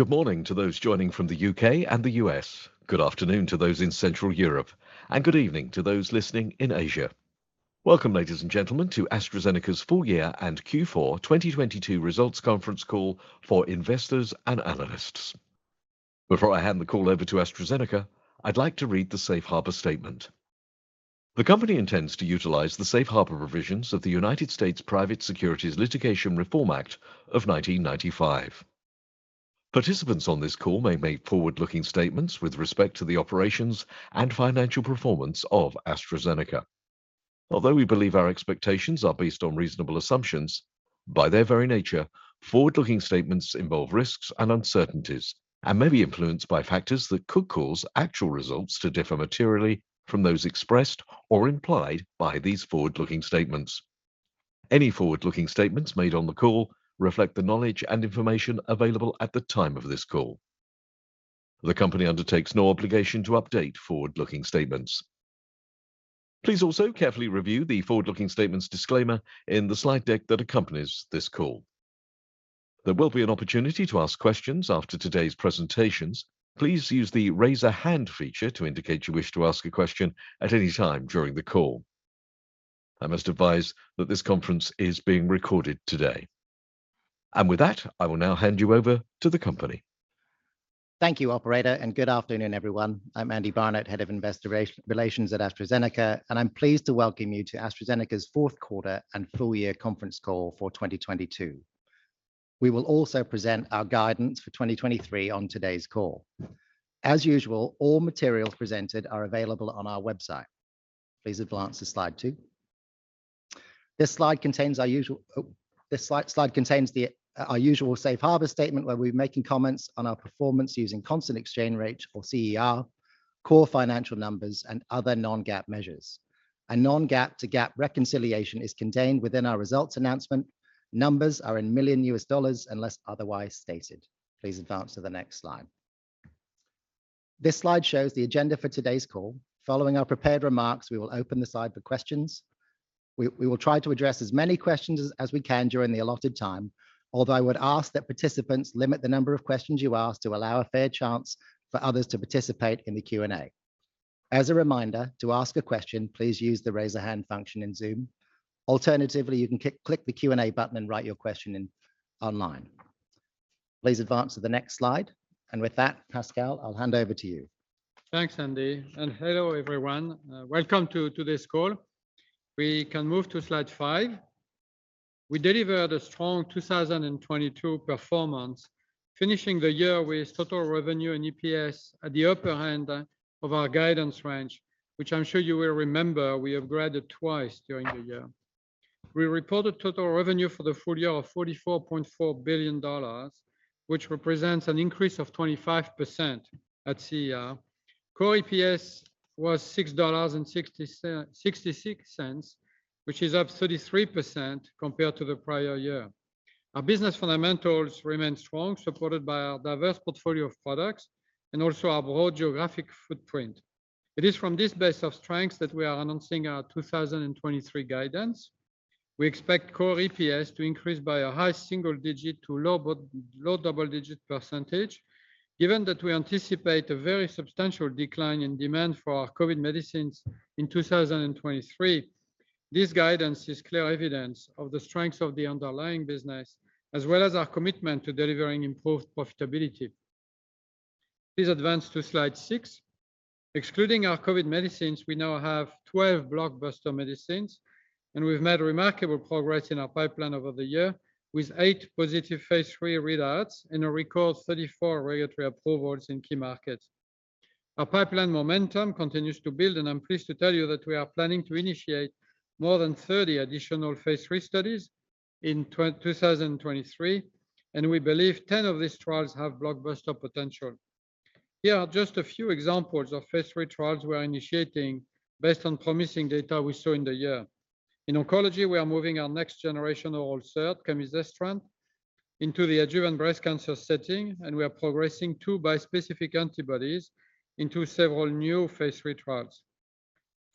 Good morning to those joining from the U.K. and the U.S. Good afternoon to those in Central Europe. Good evening to those listening in Asia. Welcome, ladies and gentlemen, to AstraZeneca's full year and Q4 2022 results conference call for investors and analysts. Before I hand the call over to AstraZeneca, I'd like to read the Safe Harbor statement. The company intends to utilize the Safe Harbor provisions of the United States Private Securities Litigation Reform Act of 1995. Participants on this call may make forward-looking statements with respect to the operations and financial performance of AstraZeneca. Although we believe our expectations are based on reasonable assumptions, by their very nature, forward-looking statements involve risks and uncertainties and may be influenced by factors that could cause actual results to differ materially from those expressed or implied by these forward-looking statements. Any forward-looking statements made on the call reflect the knowledge and information available at the time of this call. The company undertakes no obligation to update forward-looking statements. Please also carefully review the forward-looking statements disclaimer in the slide deck that accompanies this call. There will be an opportunity to ask questions after today's presentations. Please use the Raise a Hand feature to indicate you wish to ask a question at any time during the call. I must advise that this conference is being recorded today. With that, I will now hand you over to the company. Thank you, operator, and good afternoon, everyone. I'm Andy Barnett, Head of Investor Relations at AstraZeneca, and I'm pleased to welcome you to AstraZeneca's fourth quarter and full year conference call for 2022. We will also present our guidance for 2023 on today's call. As usual, all materials presented are available on our website. Please advance to slide two. This slide contains our usual Safe Harbor statement, where we're making comments on our performance using constant exchange rate, or CER, core financial numbers, and other non-GAAP measures. A non-GAAP to GAAP reconciliation is contained within our results announcement. Numbers are in million U.S. dollars, unless otherwise stated. Please advance to the next slide. This slide shows the agenda for today's call. Following our prepared remarks, we will open the slide for questions. We will try to address as many questions as we can during the allotted time, although I would ask that participants limit the number of questions you ask to allow a fair chance for others to participate in the Q&A. As a reminder, to ask a question, please use the Raise a Hand function in Zoom. Alternatively, you can click the Q&A button and write your question in online. Please advance to the next slide. With that, Pascal, I'll hand over to you. Thanks, Andy, and hello, everyone. Welcome to today's call. We can move to slide five. We delivered a strong 2022 performance, finishing the year with total revenue and EPS at the upper end of our guidance range, which I'm sure you will remember we upgraded twice during the year. We reported total revenue for the full year of $44.4 billion, which represents an increase of 25% at CER. Core EPS was $6.66, which is up 33% compared to the prior year. Our business fundamentals remain strong, supported by our diverse portfolio of products and also our broad geographic footprint. It is from this base of strengths that we are announcing our 2023 guidance. We expect core EPS to increase by a high single digit to low double-digit percentage. Given that we anticipate a very substantial decline in demand for our COVID medicines in 2023, this guidance is clear evidence of the strength of the underlying business as well as our commitment to delivering improved profitability. Please advance to slide six. Excluding our COVID medicines, we now have 12 blockbuster medicines, and we've made remarkable progress in our pipeline over the year, with eight positive phase III readouts and a record 34 regulatory approvals in key markets. Our pipeline momentum continues to build, and I'm pleased to tell you that we are planning to initiate more than 30 additional phase III studies in 2023, and we believe 10 of these trials have blockbuster potential. Here are just a few examples of phase III trials we are initiating based on promising data we saw in the year. In oncology, we are moving our next-generational oral SERD, camizestrant, into the adjuvant breast cancer setting, we are progressing two bispecific antibodies into several new phase III trials.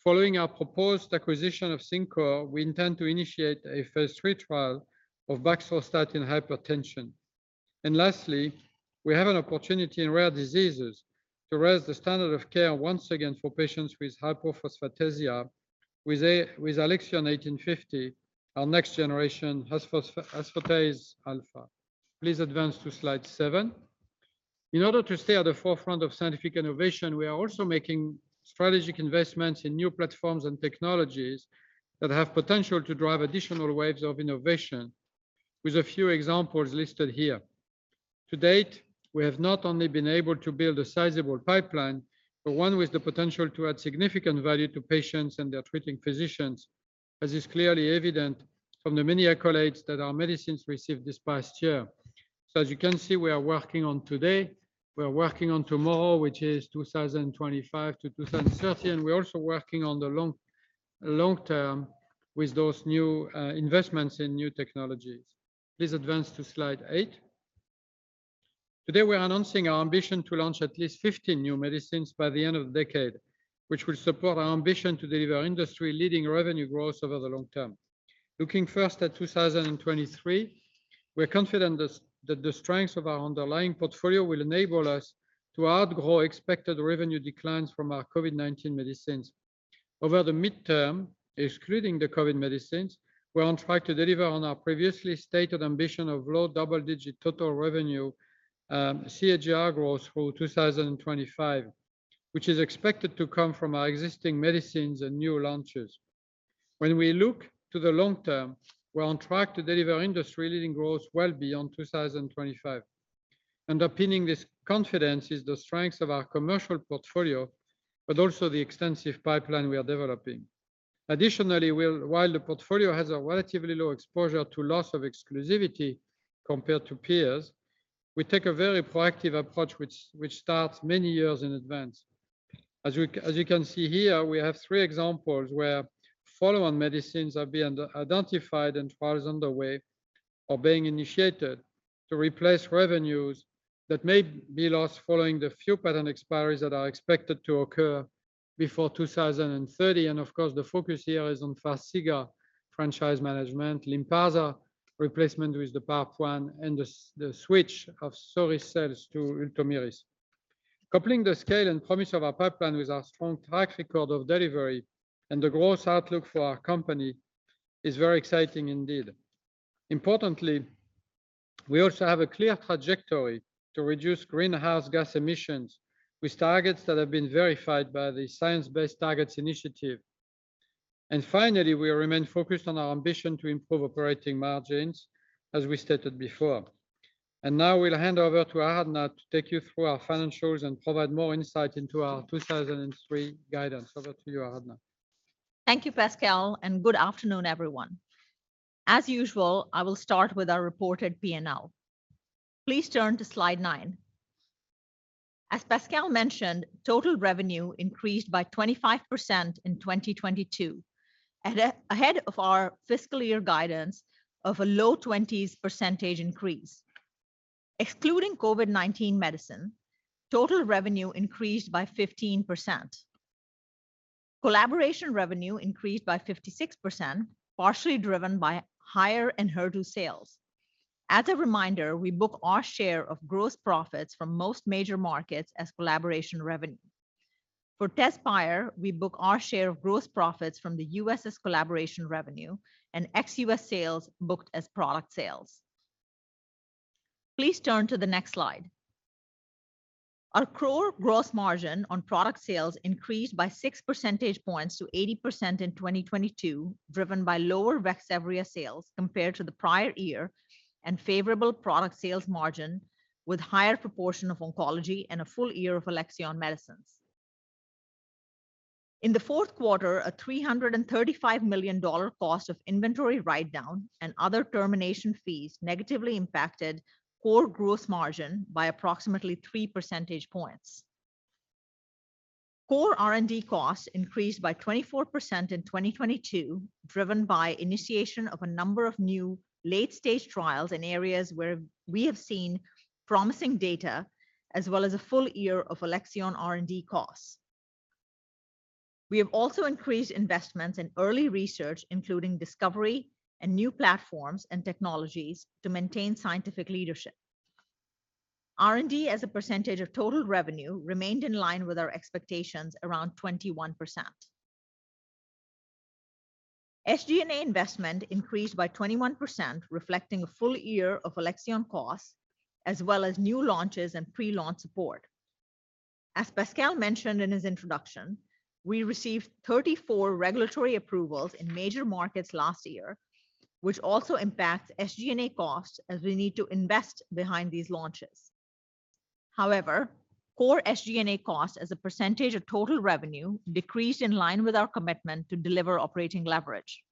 Following our proposed acquisition of CinCor, we intend to initiate a phase III trial of baxdrostat in hypertension. Lastly, we have an opportunity in rare diseases to raise the standard of care once again for patients with hypophosphatasia with ALXN1850, our next generation phosphatase alpha. Please advance to slide seven. In order to stay at the forefront of scientific innovation, we are also making strategic investments in new platforms and technologies that have potential to drive additional waves of innovation, with a few examples listed here. To date, we have not only been able to build a sizable pipeline, but one with the potential to add significant value to patients and their treating physicians, as is clearly evident from the many accolades that our medicines received this past year. As you can see, we are working on today, we are working on tomorrow, which is 2025 to 2030, and we're also working on the long, long term with those new investments in new technologies. Please advance to slide eight. Today we're announcing our ambition to launch at least 15 new medicines by the end of the decade, which will support our ambition to deliver industry-leading revenue growth over the long term. Looking first at 2023, we're confident this. that the strengths of our underlying portfolio will enable us to outgrow expected revenue declines from our COVID-19 medicines. Over the midterm, excluding the COVID medicines, we're on track to deliver on our previously stated ambition of low double-digit total revenue, CAGR growth through 2025, which is expected to come from our existing medicines and new launches. When we look to the long term, we're on track to deliver industry-leading growth well beyond 2025. Underpinning this confidence is the strength of our commercial portfolio, but also the extensive pipeline we are developing. Additionally, while the portfolio has a relatively low exposure to loss of exclusivity compared to peers, we take a very proactive approach which starts many years in advance. As you can see here, we have three examples where follow-on medicines have been identified and trials underway or being initiated to replace revenues that may be lost following the few patent expiries that are expected to occur before 2030. Of course, the focus here is on Farxiga franchise management, Lynparza replacement with the PARP1, and the switch of Soliris cells to Ultomiris. Coupling the scale and promise of our pipeline with our strong track record of delivery and the growth outlook for our company is very exciting indeed. Importantly, we also have a clear trajectory to reduce greenhouse gas emissions, with targets that have been verified by the Science-Based Targets initiative. Finally, we remain focused on our ambition to improve operating margins, as we stated before. Now we'll hand over to Aradhana to take you through our financials and provide more insight into our 2023 guidance. Over to you, Aradhana. Thank you, Pascal, and good afternoon, everyone. As usual, I will start with our reported P&L. Please turn to slide nine. As Pascal mentioned, total revenue increased by 25% in 2022, ahead of our fiscal year guidance of a low 20s % increase. Excluding COVID-19 medicine, total revenue increased by 15%. Collaboration revenue increased by 56%, partially driven by higher Enhertu sales. As a reminder, we book our share of gross profits from most major markets as collaboration revenue. For Tezspire, we book our share of gross profits from the U.S.'s collaboration revenue, and ex-U.S. sales booked as product sales. Please turn to the next slide. Our core gross margin on product sales increased by six percentage points to 80% in 2022, driven by lower Vaxzevria sales compared to the prior year and favorable product sales margin with higher proportion of oncology and a full year of Alexion medicines. In the fourth quarter, a $335 million cost of inventory write-down and other termination fees negatively impacted core growth margin by approximately three percentage points. Core R&D costs increased by 24% in 2022, driven by initiation of a number of new late-stage trials in areas where we have seen promising data, as well as a full year of Alexion R&D costs. We have also increased investments in early research, including discovery and new platforms and technologies to maintain scientific leadership. R&D as a percentage of total revenue remained in line with our expectations around 21%. SG&A investment increased by 21%, reflecting a full year of Alexion costs, as well as new launches and pre-launch support. As Pascal mentioned in his introduction, we received 34 regulatory approvals in major markets last year, which also impacts SG&A costs as we need to invest behind these launches. Core SG&A costs as a percentage of total revenue decreased in line with our commitment to deliver operating leverage.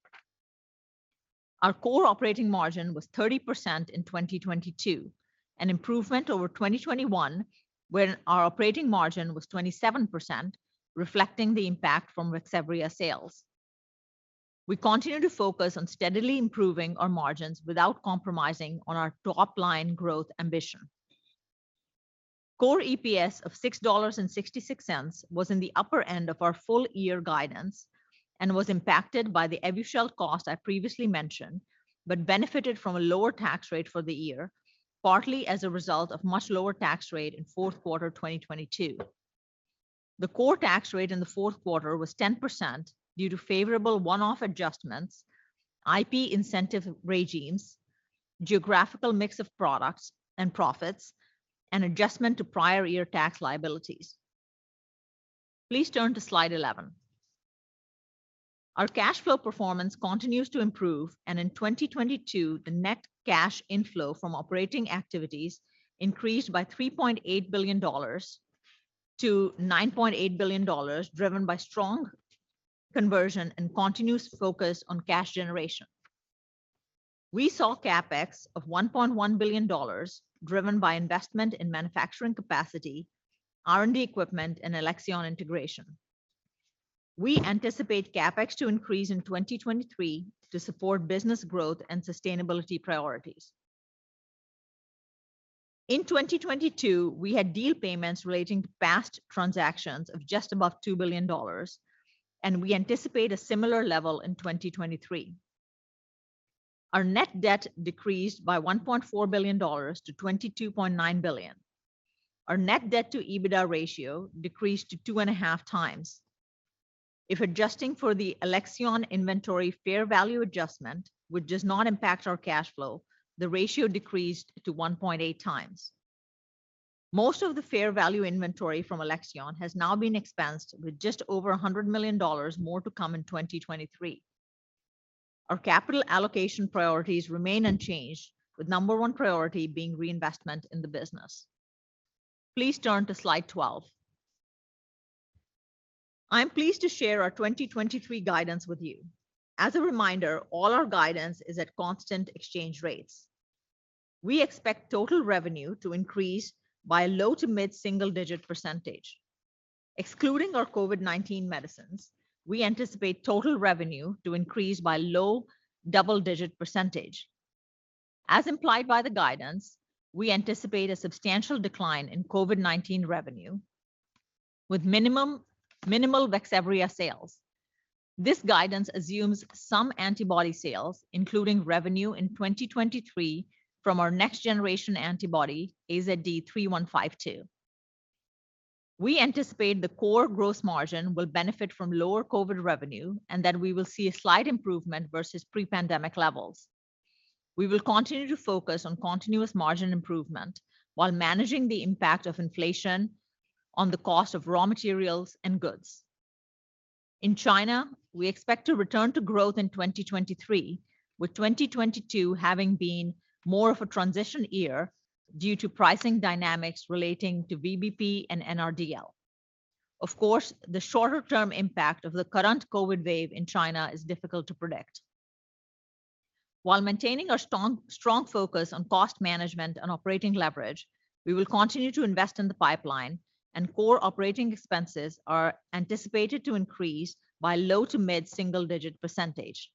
Our core operating margin was 30% in 2022, an improvement over 2021, when our operating margin was 27%, reflecting the impact from Vaxzevria sales. We continue to focus on steadily improving our margins without compromising on our top-line growth ambition. Core EPS of $6.66 was in the upper end of our full-year guidance and was impacted by the Evusheld cost I previously mentioned, but benefited from a lower tax rate for the year, partly as a result of much lower tax rate in fourth quarter 2022. The core tax rate in the fourth quarter was 10% due to favorable one-off adjustments, IP incentive regimes, geographical mix of products and profits, and adjustment to prior year tax liabilities. Please turn to slide 11. Our cash flow performance continues to improve, and in 2022, the net cash inflow from operating activities increased by $3.8 billion to $9.8 billion, driven by strong conversion and continuous focus on cash generation. We saw CapEx of $1.1 billion, driven by investment in manufacturing capacity, R&D equipment, and Alexion integration. We anticipate CapEx to increase in 2023 to support business growth and sustainability priorities. In 2022, we had deal payments relating to past transactions of just above $2 billion and we anticipate a similar level in 2023. Our net debt decreased by $1.4 billion to $22.9 billion. Our net debt to EBITDA ratio decreased to 2.5x. If adjusting for the Alexion inventory fair value adjustment, which does not impact our cash flow, the ratio decreased to 1.8x. Most of the fair value inventory from Alexion has now been expensed with just over $100 million, more to come in 2023. Our capital allocation priorities remain unchanged, with number one priority being reinvestment in the business. Please turn to slide 12. I'm pleased to share our 2023 guidance with you. As a reminder, all our guidance is at constant exchange rates. We expect total revenue to increase by low to mid-single digit percentage. Excluding our COVID-19 medicines, we anticipate total revenue to increase by low double-digit percentage. As implied by the guidance, we anticipate a substantial decline in COVID-19 revenue with minimal Vaxzevria sales. This guidance assumes some antibody sales, including revenue in 2023 from our next generation antibody, AZD3152. We anticipate the core gross margin will benefit from lower COVID revenue, and that we will see a slight improvement versus pre-pandemic levels. We will continue to focus on continuous margin improvement while managing the impact of inflation on the cost of raw materials and goods. In China, we expect to return to growth in 2023, with 2022 having been more of a transition year due to pricing dynamics relating to VBP and NRDL. Of course, the shorter term impact of the current COVID wave in China is difficult to predict. While maintaining our strong focus on cost management and operating leverage, we will continue to invest in the pipeline and core operating expenses are anticipated to increase by low to mid-single digit percentage.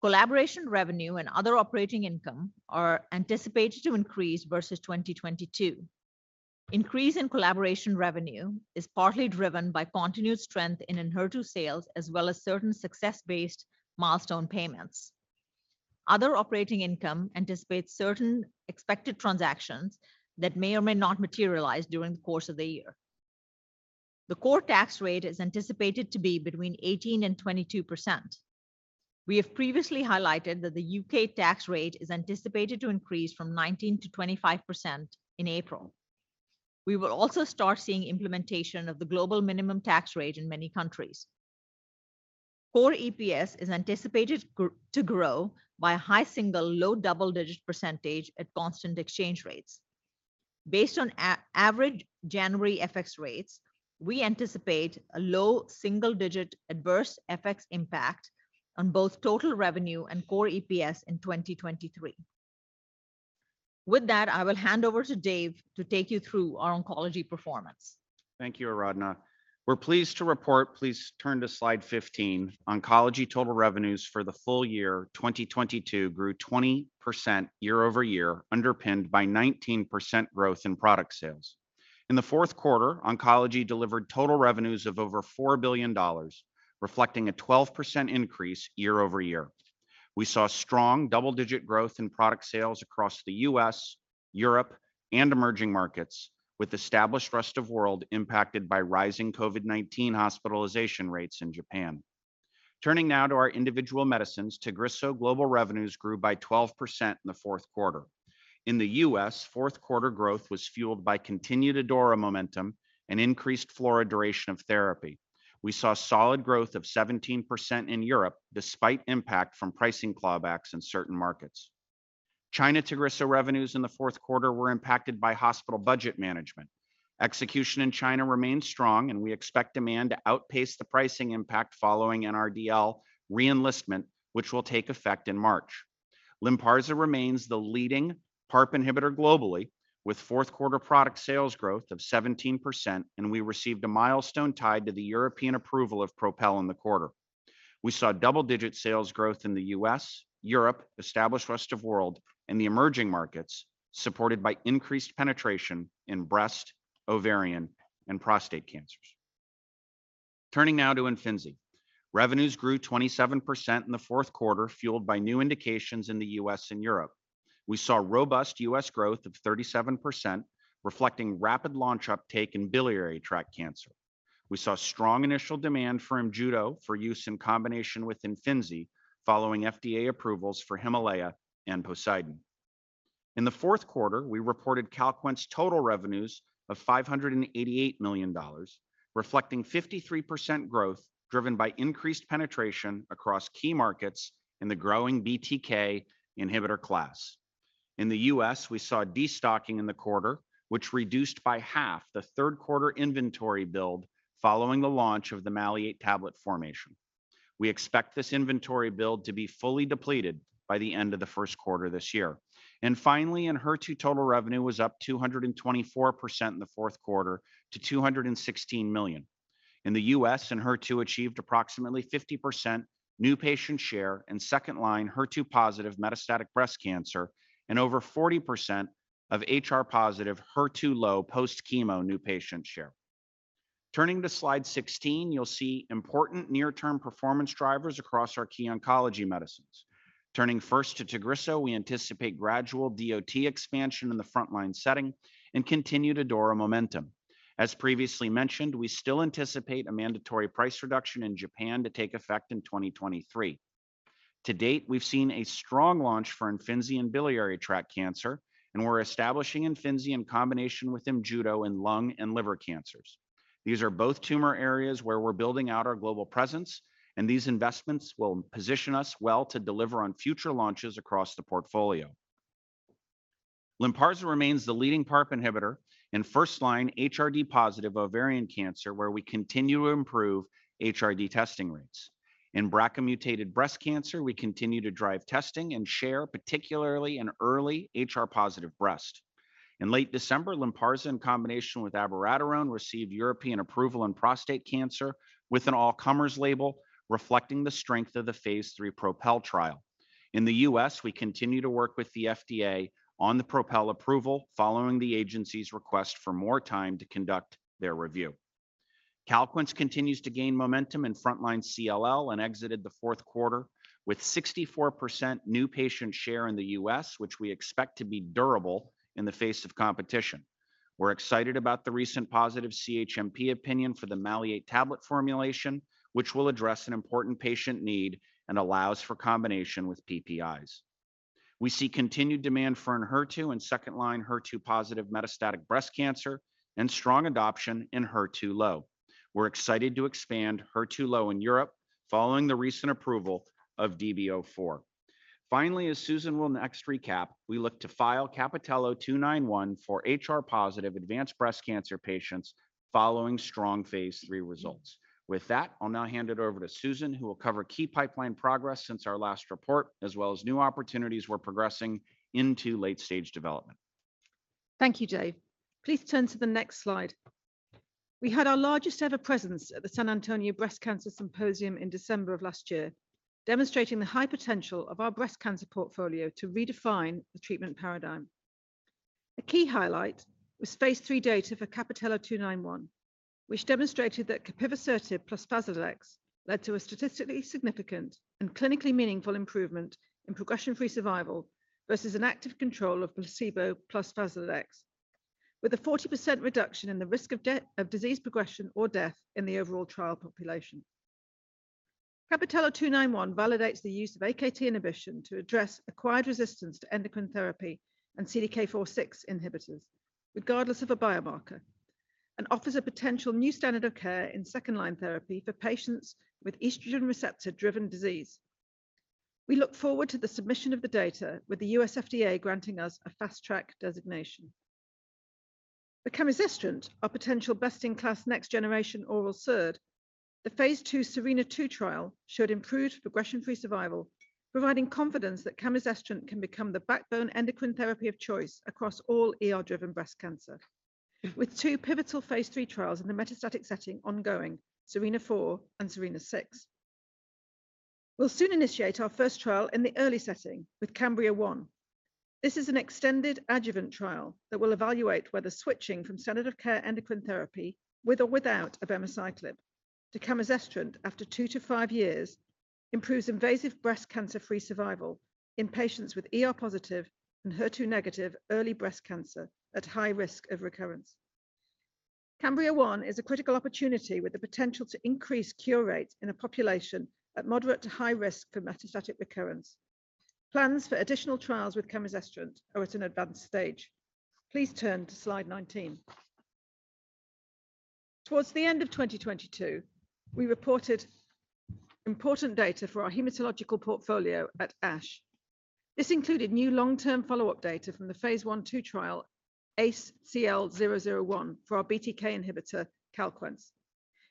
Collaboration revenue and other operating income are anticipated to increase versus 2022. Increase in collaboration revenue is partly driven by continued strength in Enhertu sales, as well as certain success-based milestone payments. Other operating income anticipates certain expected transactions that may or may not materialize during the course of the year. The core tax rate is anticipated to be between 18% and 22%. We have previously highlighted that the U.K. tax rate is anticipated to increase from 19% to 25% in April. We will also start seeing implementation of the global minimum tax rate in many countries. Core EPS is anticipated to grow by high single, low double-digit percentage at constant exchange rates. Based on average January FX rates, we anticipate a low single digit adverse FX impact on both total revenue and core EPS in 2023. With that, I will hand over to Dave to take you through our oncology performance. Thank you, Aradhana. We're pleased to report, please turn to slide 15, oncology total revenues for the full year 2022 grew 20% year-over-year, underpinned by 19% growth in product sales. In the fourth quarter, oncology delivered total revenues of over $4 billion, reflecting a 12% increase year-over-year. We saw strong double-digit growth in product sales across the U.S., Europe, and emerging markets, with established rest of world impacted by rising COVID-19 hospitalization rates in Japan. Turning now to our individual medicines, Tagrisso global revenues grew by 12% in the fourth quarter. In the U.S., fourth quarter growth was fueled by continued ADAURA momentum and increased FLAURA duration of therapy. We saw solid growth of 17% in Europe, despite impact from pricing clawbacks in certain markets. China Tagrisso revenues in the fourth quarter were impacted by hospital budget management. Execution in China remained strong. We expect demand to outpace the pricing impact following NRDL re-enlistment, which will take effect in March. Lynparza remains the leading PARP inhibitor globally, with fourth quarter product sales growth of 17%. We received a milestone tied to the European approval of PROpel in the quarter. We saw double-digit sales growth in the U.S., Europe, established rest of world, and the emerging markets, supported by increased penetration in breast, ovarian, and prostate cancers. Turning now to Imfinzi. Revenues grew 27% in the fourth quarter, fueled by new indications in the U.S. and Europe. We saw robust U.S. growth of 37%, reflecting rapid launch uptake in biliary tract cancer. We saw strong initial demand for Imjudo for use in combination with Imfinzi following FDA approvals for HIMALAYA and POSEIDON. In the fourth quarter, we reported Calquence total revenues of $588 million, reflecting 53% growth driven by increased penetration across key markets in the growing BTK inhibitor class. In the U.S., we saw destocking in the quarter, which reduced by half the third quarter inventory build following the launch of the maleate tablet formation. We expect this inventory build to be fully depleted by the end of the first quarter this year. Finally, Enhertu total revenue was up 224% in the fourth quarter to $216 million. In the U.S., Enhertu achieved approximately 50% new patient share in second line HER2-positive metastatic breast cancer and over 40% of HR-positive HER2-low post-chemo new patient share. Turning to slide 16, you'll see important near-term performance drivers across our key oncology medicines. Turning first to Tagrisso, we anticipate gradual DoT expansion in the first-line setting and continued ADAURA momentum. As previously mentioned, we still anticipate a mandatory price reduction in Japan to take effect in 2023. To date, we've seen a strong launch for Imfinzi in biliary tract cancer, and we're establishing Imfinzi in combination with Imjudo in lung and liver cancers. These are both tumor areas where we're building out our global presence, and these investments will position us well to deliver on future launches across the portfolio. Lynparza remains the leading PARP inhibitor in first-line HRD-positive ovarian cancer, where we continue to improve HRD testing rates. In BRCA-mutated breast cancer, we continue to drive testing and share, particularly in early HR-positive breast. In late December, Lynparza, in combination with abiraterone, received European approval in prostate cancer with an all-comers label reflecting the strength of the phase III PROpel trial. In the U.S., we continue to work with the FDA on the PROpel approval following the agency's request for more time to conduct their review. Calquence continues to gain momentum in frontline CLL and exited the fourth quarter with 64% new patient share in the U.S., which we expect to be durable in the face of competition. We're excited about the recent positive CHMP opinion for the maleate tablet formulation, which will address an important patient need and allows for combination with PPIs. We see continued demand for Enhertu in second line HER2-positive metastatic breast cancer and strong adoption in HER2-low. We're excited to expand HER2-low in Europe following the recent approval of DB04. As Susan will next recap, we look to file CAPItello-291 for HR-positive advanced breast cancer patients following strong phase III results. With that, I'll now hand it over to Susan, who will cover key pipeline progress since our last report, as well as new opportunities we're progressing into late-stage development. Thank you, Dave. Please turn to the next slide. We had our largest ever presence at the San Antonio Breast Cancer Symposium in December of last year, demonstrating the high potential of our breast cancer portfolio to redefine the treatment paradigm. A key highlight was phase III data for CAPItello-291, which demonstrated that capivasertib plus Faslodex led to a statistically significant and clinically meaningful improvement in progression-free survival versus an active control of placebo plus Faslodex, with a 40% reduction in the risk of disease progression or death in the overall trial population. CAPItello-291 validates the use of AKT inhibition to address acquired resistance to endocrine therapy and CDK4/6 inhibitors regardless of a biomarker and offers a potential new standard of care in second-line therapy for patients with estrogen receptor-driven disease. We look forward to the submission of the data with the U.S. FDA granting us a Fast Track designation. For camizestrant, our potential best-in-class next-generation oral SERD, the phase II SERENA-2 trial showed improved progression-free survival, providing confidence that camizestrant can become the backbone endocrine therapy of choice across all ER-driven breast cancer. With two pivotal phase III trials in the metastatic setting ongoing, SERENA-4 and SERENA-6. We'll soon initiate our first trial in the early setting with CAMBRIA-1. This is an extended adjuvant trial that will evaluate whether switching from standard of care endocrine therapy with or without abemaciclib to camizestrant after two to five years improves invasive breast cancer-free survival in patients with ER positive and HER2-negative early breast cancer at high risk of recurrence. CAMBRIA-1 is a critical opportunity with the potential to increase cure rates in a population at moderate to high risk for metastatic recurrence. Plans for additional trials with camizestrant are at an advanced stage. Please turn to slide 19. Towards the end of 2022, we reported important data for our hematological portfolio at ASH. This included new long-term follow-up data from the phase I/II trial ACE-CL-001 for our BTK inhibitor, Calquence,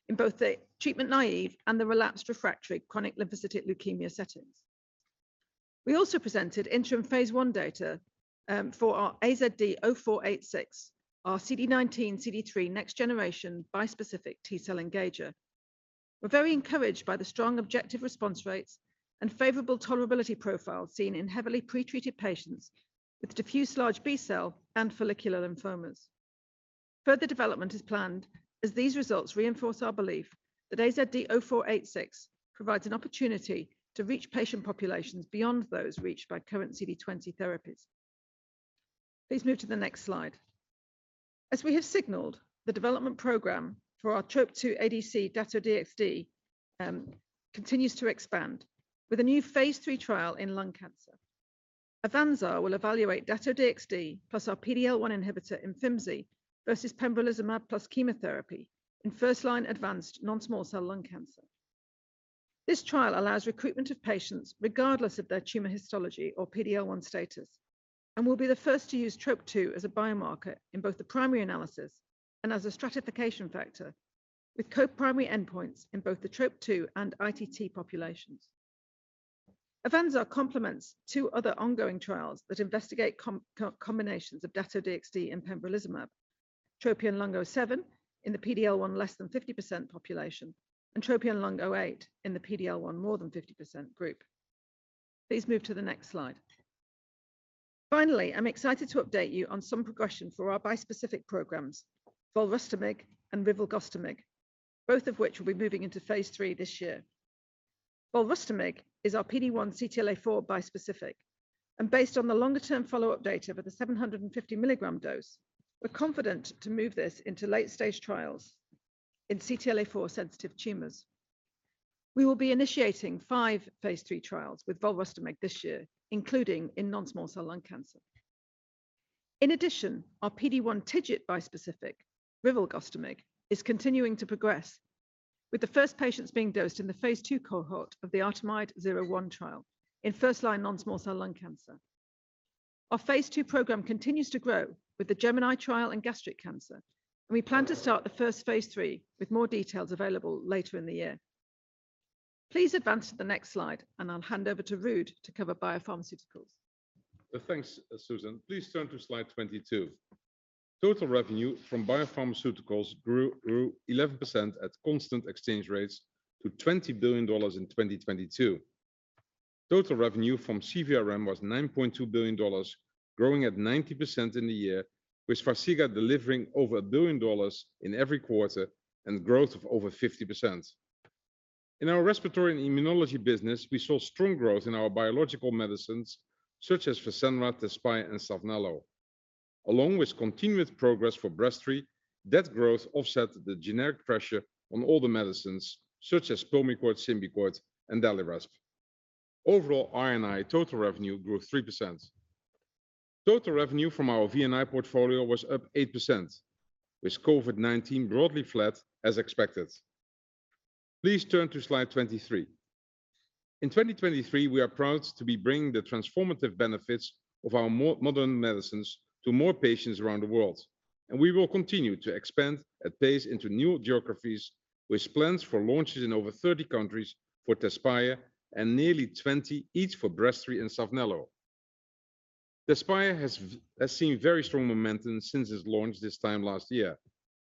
in both the treatment-naive and the relapsed refractory chronic lymphocytic leukemia settings. We also presented interim phase I data for our AZD0486, our CD19/CD3 next generation bispecific T-cell engager. We're very encouraged by the strong objective response rates and favorable tolerability profile seen in heavily pretreated patients with diffuse large B-cell and follicular lymphomas. Further development is planned as these results reinforce our belief that AZD0486 provides an opportunity to reach patient populations beyond those reached by current CD20 therapies. Please move to the next slide. As we have signaled, the development program for our TROP2 ADC Dato-DXd continues to expand with a new phase III trial in lung cancer. AVANZAR will evaluate Dato-DXd plus our PD-L1 inhibitor, Imfinzi, versus pembrolizumab plus chemotherapy in first-line advanced non-small cell lung cancer. This trial allows recruitment of patients regardless of their tumor histology or PD-L1 status. Will be the first to use TROP2 as a biomarker in both the primary analysis and as a stratification factor with co-primary endpoints in both the TROP2 and ITT populations. AVANZAR complements two other ongoing trials that investigate combinations of Dato-DXd and pembrolizumab, TROPION-Lung07 in the PD-L1 less than 50% population, and TROPION-Lung08 in the PD-L1 more than 50% group. Please move to the next slide. Finally, I'm excited to update you on some progression for our bispecific programs, volrustomig and rilvegostomig, both of which will be moving into phase III this year. Volrustomig is our PD-1/CTLA-4 bispecific, and based on the longer-term follow-up data for the 750 milligram dose, we're confident to move this into late-stage trials in CTLA-4-sensitive tumors. We will be initiating five phase III trials with volrustomig this year, including in non-small cell lung cancer. In addition, our PD-1/TIGIT bispecific, rilvegostomig, is continuing to progress, with the first patients being dosed in the phase II cohort of the ARTEMIDE-01 trial in first-line non-small cell lung cancer. Our phase II program continues to grow with the GEMINI trial in gastric cancer, and we plan to start the first phase III, with more details available later in the year. Please advance to the next slide, and I'll hand over to Ruud to cover BioPharmaceuticals. Thanks, Susan. Please turn to slide 22. Total revenue from Biopharmaceuticals grew 11% at constant exchange rates to $20 billion in 2022. Total revenue from CVRM was $9.2 billion, growing at 90% in the year, with Farxiga delivering over $1 billion in every quarter and growth of over 50%. In our Respiratory and Immunology business, we saw strong growth in our biological medicines, such as Fasenra, Tezspire, and Saphnelo. Along with continuous progress for Breztri, that growth offset the generic pressure on older medicines, such as Pulmicort, Symbicort, and Daliresp. Overall, R&I total revenue grew 3%. Total revenue from our V&I portfolio was up 8%, with COVID-19 broadly flat as expected. Please turn to slide 23. In 2023, we are proud to be bringing the transformative benefits of our modern medicines to more patients around the world. We will continue to expand at pace into new geographies with plans for launches in over 30 countries for Tezspire and nearly 20 each for Breztri and Saphnelo. Tezspire has seen very strong momentum since its launch this time last year,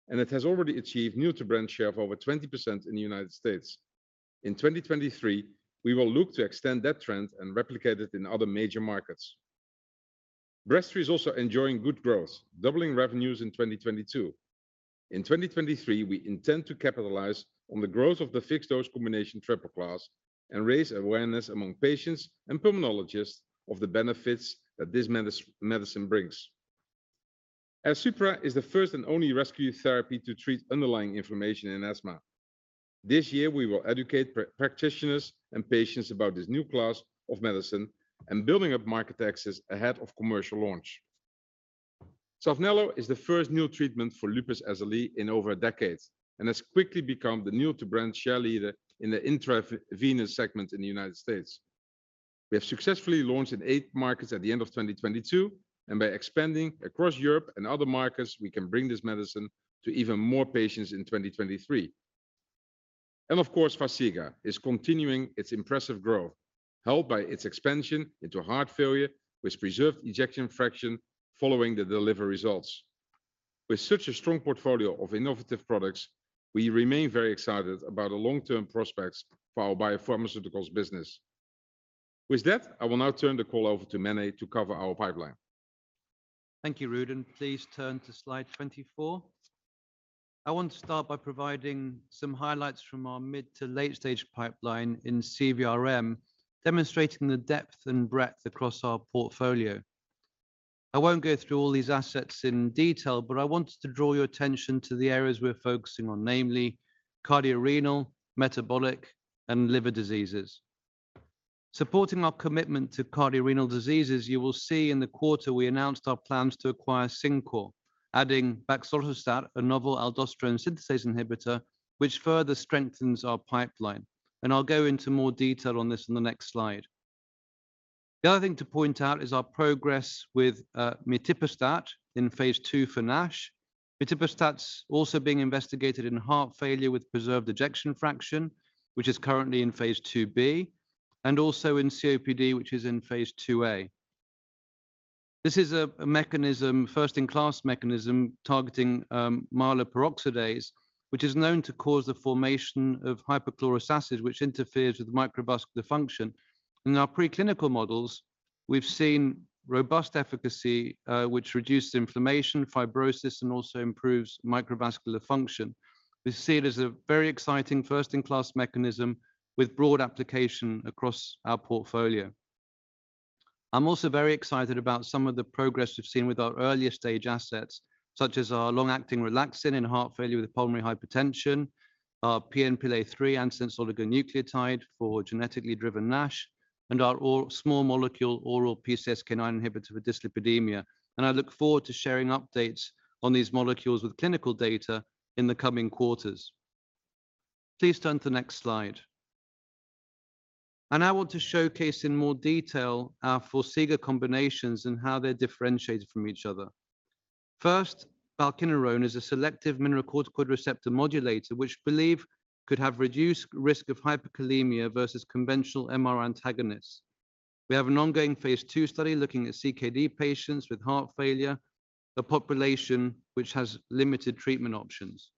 and it has already achieved new to brand share of over 20% in the United States. In 2023, we will look to extend that trend and replicate it in other major markets. Breztri is also enjoying good growth, doubling revenues in 2022. In 2023, we intend to capitalize on the growth of the fixed-dose combination triple class and raise awareness among patients and pulmonologists of the benefits that this medicine brings. Airsupra is the first and only rescue therapy to treat underlying inflammation in asthma. This year, we will educate practitioners and patients about this new class of medicine and building up market access ahead of commercial launch. Saphnelo is the first new treatment for lupus SLE in over a decade and has quickly become the new to brand share leader in the intravenous segment in the United States. We have successfully launched in eight markets at the end of 2022. By expanding across Europe and other markets, we can bring this medicine to even more patients in 2023. Of course, Farxiga is continuing its impressive growth, helped by its expansion into heart failure with preserved ejection fraction following the DELIVER results. With such a strong portfolio of innovative products, we remain very excited about the long-term prospects for our Biopharmaceuticals business. I will now turn the call over to Mene to cover our pipeline. Thank you, Ruud, and please turn to slide 24. I want to start by providing some highlights from our mid to late-stage pipeline in CVRM, demonstrating the depth and breadth across our portfolio. I won't go through all these assets in detail, but I wanted to draw your attention to the areas we're focusing on, namely cardiorenal, metabolic, and liver diseases. Supporting our commitment to cardiorenal diseases, you will see in the quarter we announced our plans to acquire CinCor, adding baxdrostat, a novel aldosterone synthase inhibitor, which further strengthens our pipeline. I'll go into more detail on this in the next slide. The other thing to point out is our progress with mitiperstat in phase II for NASH. Mitiperstat's also being investigated in heart failure with preserved ejection fraction, which is currently in phase II-B, and also in COPD, which is in phase II-A. This is a mechanism, first-in-class mechanism targeting myeloperoxidase, which is known to cause the formation of hypochlorous acid, which interferes with microvascular function. In our preclinical models, we've seen robust efficacy, which reduces inflammation, fibrosis, and also improves microvascular function. We see it as a very exciting first-in-class mechanism with broad application across our portfolio. I'm also very excited about some of the progress we've seen with our earlier-stage assets, such as our long-acting relaxin in heart failure with pulmonary hypertension, our PNPLA3 antisense oligonucleotide for genetically driven NASH, and our small molecule oral PCSK9 inhibitor for dyslipidemia. I look forward to sharing updates on these molecules with clinical data in the coming quarters. Please turn to the next slide. I want to showcase in more detail our Farxiga combinations and how they're differentiated from each other. Balcinrenone is a selective mineralocorticoid receptor modulator, which we believe could have reduced risk of hyperkalemia versus conventional MR antagonists. We have an ongoing phase II study looking at CKD patients with heart failure, a population which has limited treatment options.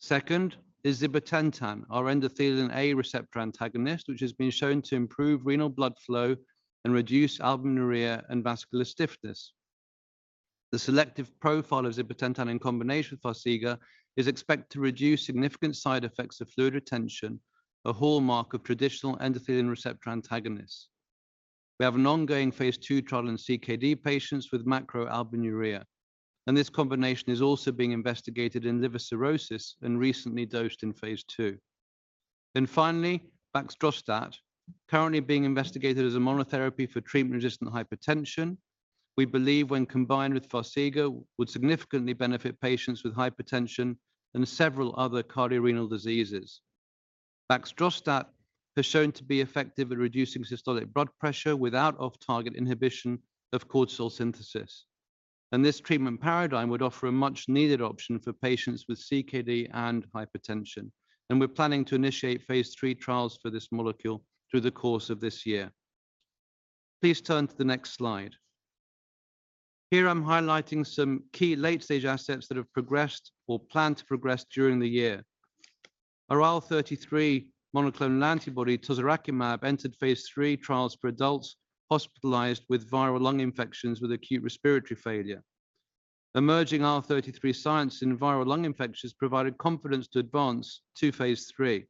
Second is zibotentan, our endothelin A receptor antagonist, which has been shown to improve renal blood flow and reduce albuminuria and vascular stiffness. The selective profile of zibotentan in combination with Farxiga is expected to reduce significant side effects of fluid retention, a hallmark of traditional endothelin receptor antagonists. We have an ongoing phase II trial in CKD patients with macroalbuminuria, and this combination is also being investigated in liver cirrhosis and recently dosed in phase II. Finally, baxdrostat, currently being investigated as a monotherapy for treatment-resistant hypertension. We believe when combined with Farxiga would significantly benefit patients with hypertension and several other cardiorenal diseases. Baxdrostat has shown to be effective at reducing systolic blood pressure without off-target inhibition of cortisol synthesis. This treatment paradigm would offer a much-needed option for patients with CKD and hypertension, and we're planning to initiate phase III trials for this molecule through the course of this year. Please turn to the next slide. Here I'm highlighting some key late-stage assets that have progressed or plan to progress during the year. Our IL-33 monoclonal antibody, tozorakimab, entered phase III trials for adults hospitalized with viral lung infections with acute respiratory failure. Emerging IL-33 science in viral lung infections provided confidence to advance to phase III.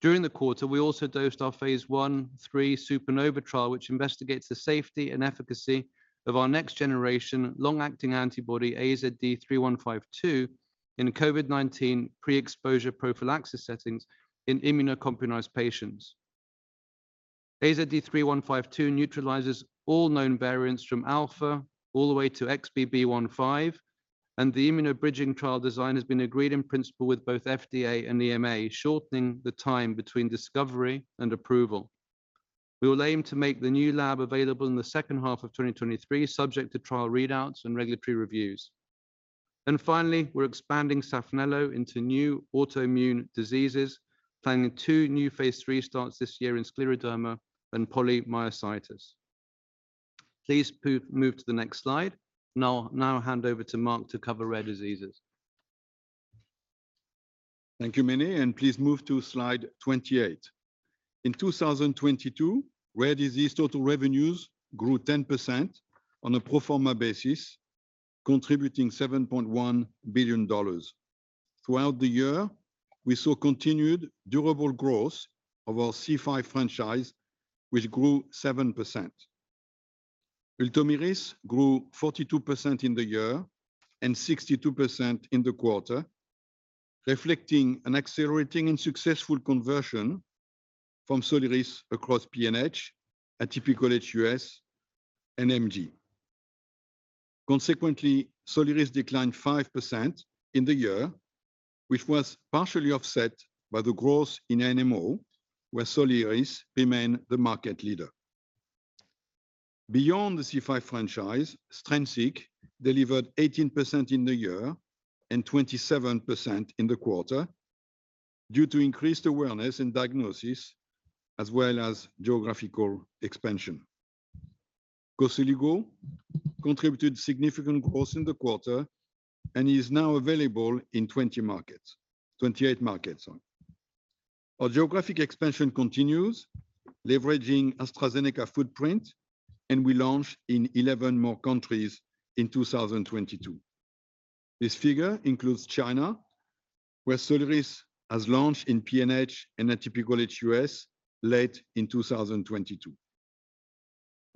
During the quarter, we also dosed our phase I/III SUPERNOVA trial, which investigates the safety and efficacy of our next-generation long-acting antibody, AZD3152, in COVID-19 pre-exposure prophylaxis settings in immunocompromised patients. AZD3152 neutralizes all known variants from Alpha all the way to XBB.1.5. The immunobridging trial design has been agreed in principle with both FDA and EMA, shortening the time between discovery and approval. We will aim to make the new lab available in the second half of 2023, subject to trial readouts and regulatory reviews. Finally, we're expanding Saphnelo into new autoimmune diseases, planning two new phase III starts this year in scleroderma and polymyositis. Please move to the next slide. I'll now hand over to Marc to cover rare diseases. Thank you, Mene. Please move to slide 28. In 2022, rare disease total revenues grew 10% on a pro forma basis, contributing $7.1 billion. Throughout the year, we saw continued durable growth of our C5 franchise, which grew 7%. Ultomiris grew 42% in the year and 62% in the quarter, reflecting an accelerating and successful conversion from Soliris across PNH, atypical HUS, and MG. Consequently, Soliris declined 5% in the year, which was partially offset by the growth in NMO, where Soliris remained the market leader. Beyond the C5 franchise, Strensiq delivered 18% in the year and 27% in the quarter due to increased awareness and diagnosis as well as geographical expansion. Koselugo contributed significant growth in the quarter and is now available in 20 markets. 28 markets, sorry. Our geographic expansion continues, leveraging AstraZeneca footprint, and we launched in 11 more countries in 2022. This figure includes China, where Soliris has launched in PNH and atypical HUS late in 2022.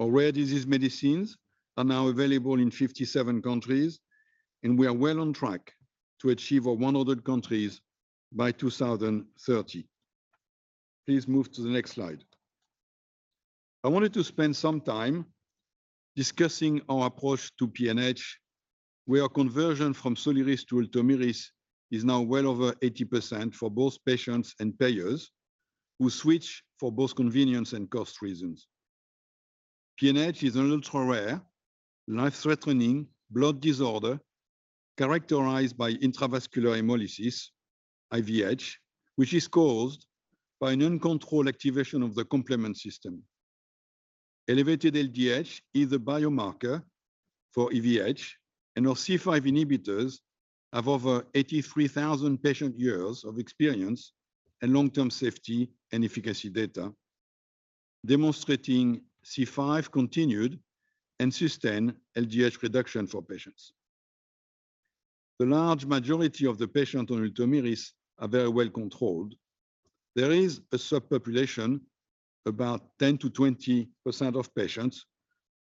Our rare disease medicines are now available in 57 countries, and we are well on track to achieve our 100 countries by 2030. Please move to the next slide. I wanted to spend some time discussing our approach to PNH, where conversion from Soliris to Ultomiris is now well over 80% for both patients and payers who switch for both convenience and cost reasons. PNH is an ultra-rare, life-threatening blood disorder characterized by intravascular hemolysis, IVH, which is caused by an uncontrolled activation of the complement system. Elevated LDH is a biomarker for IVH. Our C5 inhibitors have over 83,000 patient years of experience and long-term safety and efficacy data demonstrating C5 continued and sustained LDH reduction for patients. The large majority of the patients on Ultomiris are very well controlled. There is a subpopulation, about 10%-20% of patients,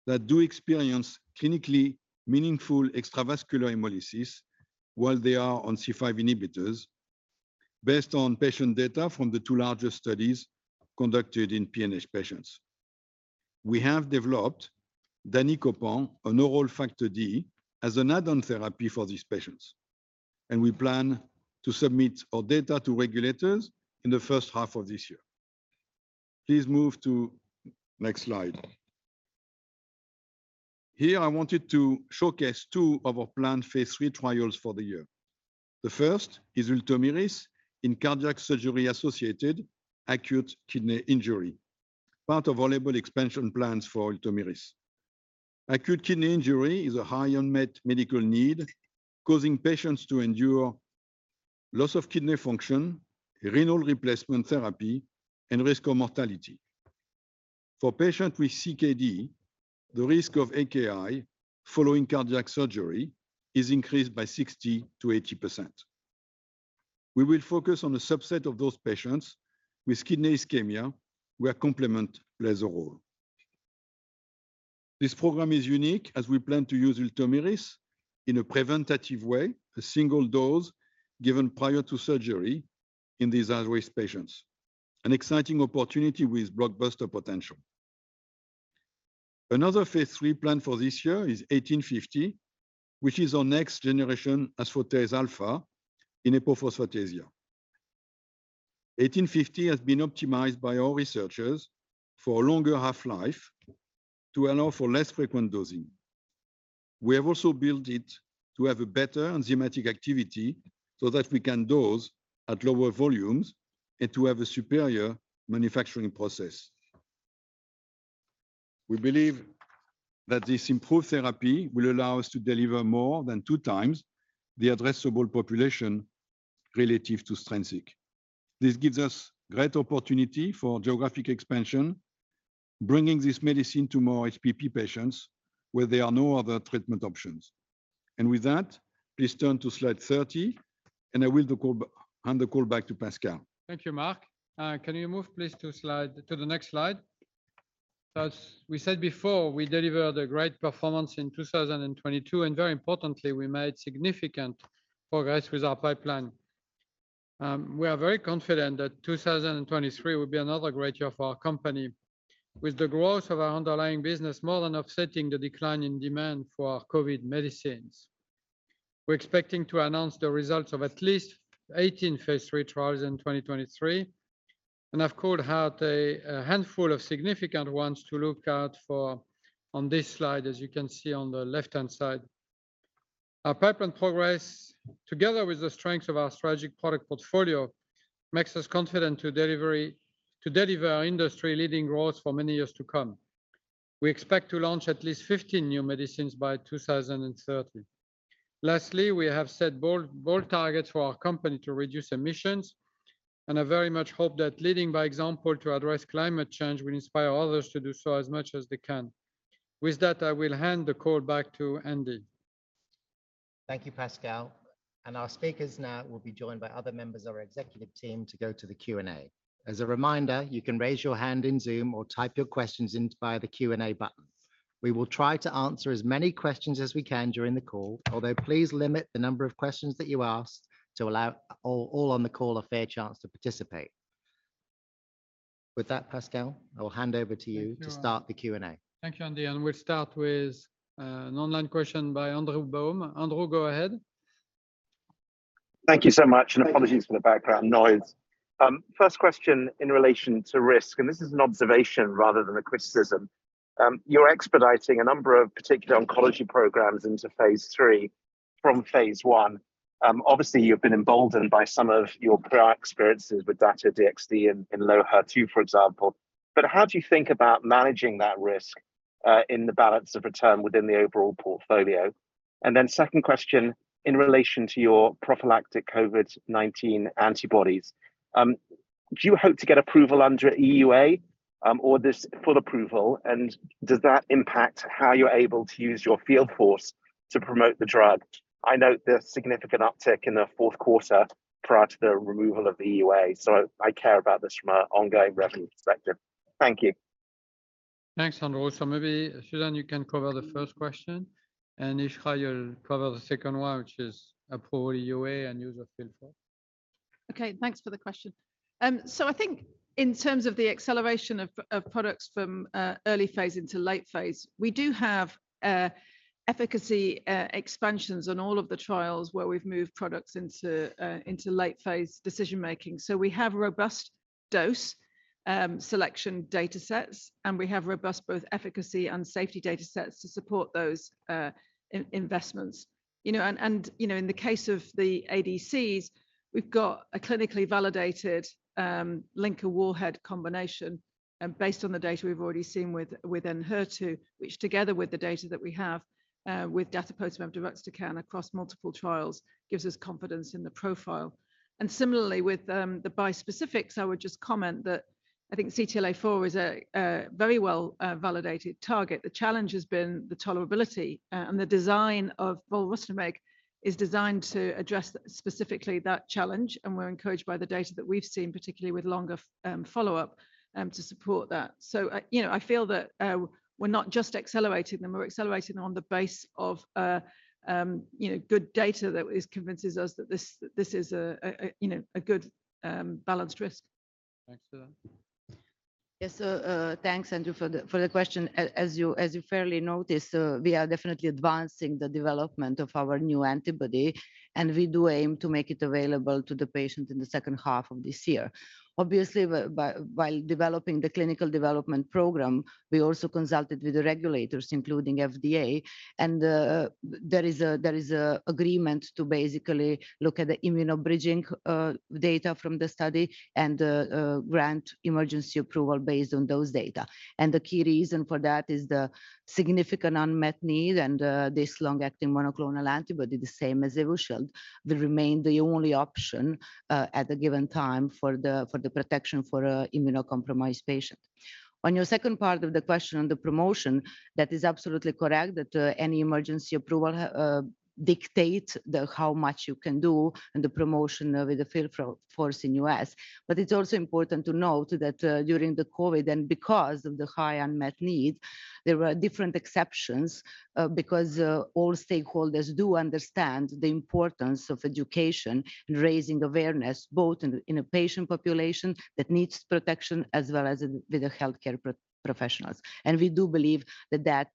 that do experience clinically meaningful extravascular hemolysis while they are on C5 inhibitors based on patient data from the two largest studies conducted in PNH patients. We have developed danicopan, an oral factor D as an add-on therapy for these patients. We plan to submit our data to regulators in the first half of this year. Please move to next slide. Here, I wanted to showcase two of our planned phase III trials for the year. The first is Ultomiris in cardiac surgery-associated acute kidney injury, part of our label expansion plans for Ultomiris. Acute kidney injury is a high unmet medical need, causing patients to endure loss of kidney function, renal replacement therapy, and risk of mortality. For patients with CKD, the risk of AKI following cardiac surgery is increased by 60% to 80%. We will focus on a subset of those patients with kidney ischemia where complement plays a role. This program is unique as we plan to use Ultomiris in a preventative way, a single dose given prior to surgery in these at-risk patients, an exciting opportunity with blockbuster potential. Another phase III plan for this year is 1850, which is our next generation aspartate alpha in hypophosphatasia. 1850 has been optimized by our researchers for a longer half-life to allow for less frequent dosing. We have also built it to have a better enzymatic activity so that we can dose at lower volumes and to have a superior manufacturing process. We believe that this improved therapy will allow us to deliver more than two times the addressable population relative to Strensiq. This gives us great opportunity for geographic expansion, bringing this medicine to more HPP patients where there are no other treatment options. With that, please turn to slide 30, and I will hand the call back to Pascal. Thank you, Marc. Can you move please to the next slide? As we said before, we delivered a great performance in 2022, very importantly, we made significant progress with our pipeline. We are very confident that 2023 will be another great year for our company with the growth of our underlying business more than offsetting the decline in demand for our COVID medicines. We're expecting to announce the results of at least 18 phase III trials in 2023, I've called out a handful of significant ones to look out for on this slide, as you can see on the left-hand side. Our pipeline progress, together with the strength of our strategic product portfolio, makes us confident to deliver our industry-leading growth for many years to come. We expect to launch at least 15 new medicines by 2030. Lastly, we have set bold targets for our company to reduce emissions. I very much hope that leading by example to address climate change will inspire others to do so as much as they can. With that, I will hand the call back to Andy. Thank you, Pascal. Our speakers now will be joined by other members of our executive team to go to the Q&A. As a reminder, you can raise your hand in Zoom or type your questions in via the Q&A button. We will try to answer as many questions as we can during the call, although please limit the number of questions that you ask to allow all on the call a fair chance to participate. With that, Pascal, I will hand over to you to start the Q&A. Thank you, Andy. We'll start with an online question by Andrew Baum. Andrew, go ahead. Thank you so much. Apologies for the background noise. First question in relation to risk, and this is an observation rather than a criticism. You're expediting a number of particular oncology programs into phase III from phase I. Obviously you've been emboldened by some of your prior experiences with Dato-DXd in HER2-low, for example. How do you think about managing that risk in the balance of return within the overall portfolio? Second question in relation to your prophylactic COVID-19 antibodies. Do you hope to get approval under EUA or this full approval, and does that impact how you're able to use your field force to promote the drug? I note the significant uptick in the fourth quarter prior to the removal of the EUA. I care about this from an ongoing revenue perspective. Thank you. Thanks, Andrew. Maybe, Susan, you can cover the first question, and Iskra, you'll cover the second one, which is approval EUA and use of field force. Okay, thanks for the question. I think in terms of the acceleration of products from early phase into late phase, we do have efficacy expansions on all of the trials where we've moved products into late-phase decision-making. We have robust dose selection datasets, and we have robust both efficacy and safety datasets to support those investments. You know, and you know, in the case of the ADCs, we've got a clinically validated linker-warhead combination based on the data we've already seen with HER2, which together with the data that we have with datopotamab deruxtecan across multiple trials, gives us confidence in the profile. Similarly with the bispecifics, I would just comment that I think CTLA-4 is a very well validated target. The challenge has been the tolerability, and the design of volrustomig is designed to address specifically that challenge, and we're encouraged by the data that we've seen, particularly with longer follow-up to support that. I, you know, I feel that We're not just accelerating them, we're accelerating on the base of, you know, good data that convinces us that this is a, you know, a good, balanced risk. Thanks for that. Yes, thanks, Andrew, for the question. As you fairly noticed, we are definitely advancing the development of our new antibody, and we do aim to make it available to the patient in the second half of this year. Obviously, by developing the clinical development program, we also consulted with the regulators, including FDA, there is a agreement to basically look at the immunobridging data from the study and grant emergency approval based on those data. The key reason for that is the significant unmet need and this long-acting monoclonal antibody, the same as Evusheld, will remain the only option at a given time for the protection for a immunocompromised patient. On your second part of the question on the promotion, that is absolutely correct that any emergency approval dictates the how much you can do and the promotion with the field force in U.S. It's also important to note that during the COVID and because of the high unmet need, there were different exceptions because all stakeholders do understand the importance of education in raising awareness, both in a patient population that needs protection as well as with the healthcare professionals. We do believe that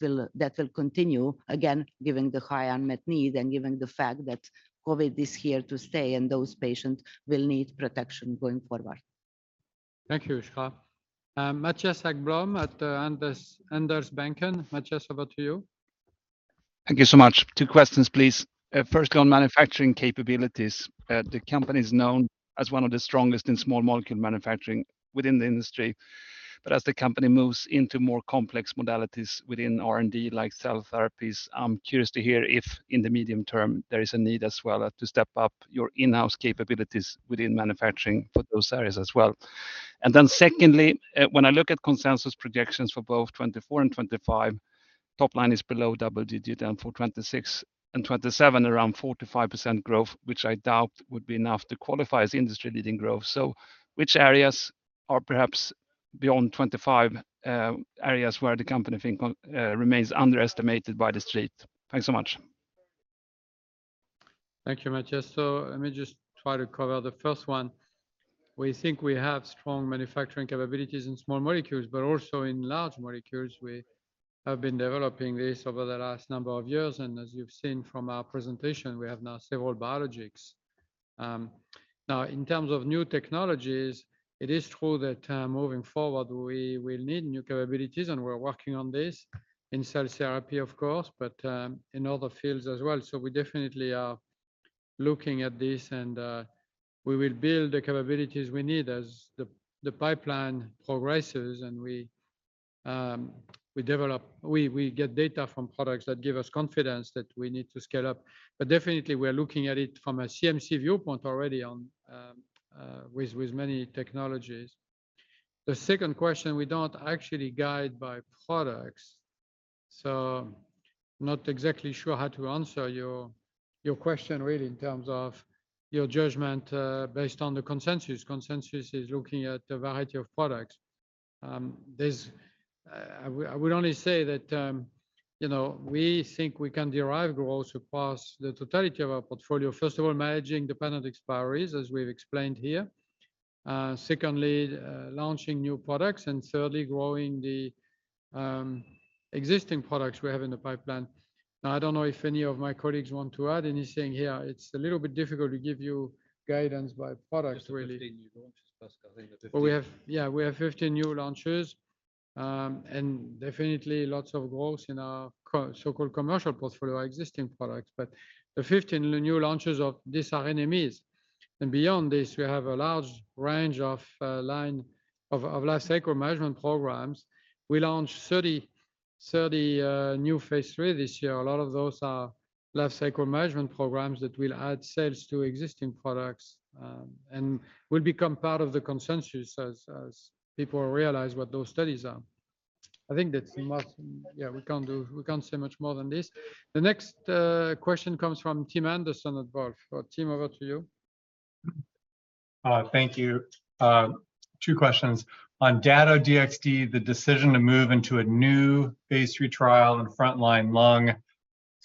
will continue, again, given the high unmet need and given the fact that COVID is here to stay, and those patients will need protection going forward. Thank you, Iskra. Mattias Häggblom at Handelsbanken. Mattias, over to you. Thank you so much. Two questions, please. Firstly, on manufacturing capabilities. The company is known as one of the strongest in small molecule manufacturing within the industry. As the company moves into more complex modalities within R&D like cell therapies, I'm curious to hear if in the medium term there is a need as well to step up your in-house capabilities within manufacturing for those areas as well. Secondly, when I look at consensus projections for both 2024 and 2025, top-line is below double-digit, and for 2026 and 2027, around 45% growth, which I doubt would be enough to qualify as industry-leading growth. Which areas are perhaps beyond 2025, areas where the company think remains underestimated by the Street? Thanks so much. Thank you, Mattias. Let me just try to cover the first one. We think we have strong manufacturing capabilities in small molecules, but also in large molecules. We have been developing this over the last number of years, and as you've seen from our presentation, we have now several biologics. Now in terms of new technologies, it is true that moving forward, we will need new capabilities, and we're working on this in cell therapy, of course, but in other fields as well. We definitely are looking at this and we will build the capabilities we need as the pipeline progresses, and we get data from products that give us confidence that we need to scale up. Definitely we are looking at it from a CMC viewpoint already on with many technologies. The second question, we don't actually guide by products. Not exactly sure how to answer your question really in terms of your judgment, based on the consensus. Consensus is looking at a variety of products. I would only say that, you know, we think we can derive growth across the totality of our portfolio. First of all, managing dependent expiries, as we've explained here. Secondly, launching new products. Thirdly, growing the existing products we have in the pipeline. Now, I don't know if any of my colleagues want to add anything here. It's a little bit difficult to give you guidance by products really. Just 15 new launches, Pascal. Yeah, we have 15 new launches, and definitely lots of growth in our so-called commercial portfolio, our existing products. The 15 new launches of these are NMEs. Beyond this, we have a large range of line of lifecycle management programs. We launched 30 new phase III this year. A lot of those are lifecycle management programs that will add sales to existing products, and will become part of the consensus as people realize what those studies are. Yeah, we can't say much more than this. The next question comes from Tim Anderson at Wolfe. Tim, over to you. Thank you. two questions. On Dato-DXd, the decision to move into a new phase III trial in front-line lung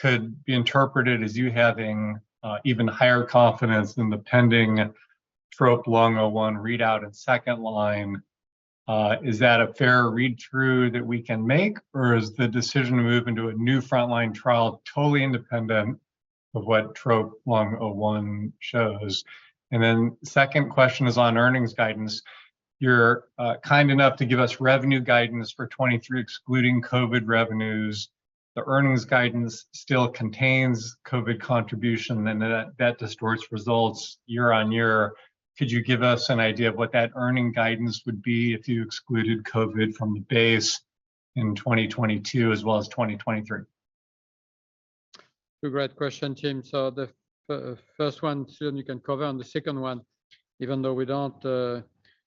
could be interpreted as you having even higher confidence than the pending TROP-Lung01 readout in second line. Is that a fair read-through that we can make? Or is the decision to move into a new front-line trial totally independent of what TROP-Lung01 shows? Second question is on earnings guidance. You're kind enough to give us revenue guidance for 2023, excluding COVID revenues. The earnings guidance still contains COVID contribution, and that distorts results year-on-year. Could you give us an idea of what that earning guidance would be if you excluded COVID from the base in 2022 as well as 2023? Two great questions, Tim. The first one, Susan, you can cover. The second one, even though we don't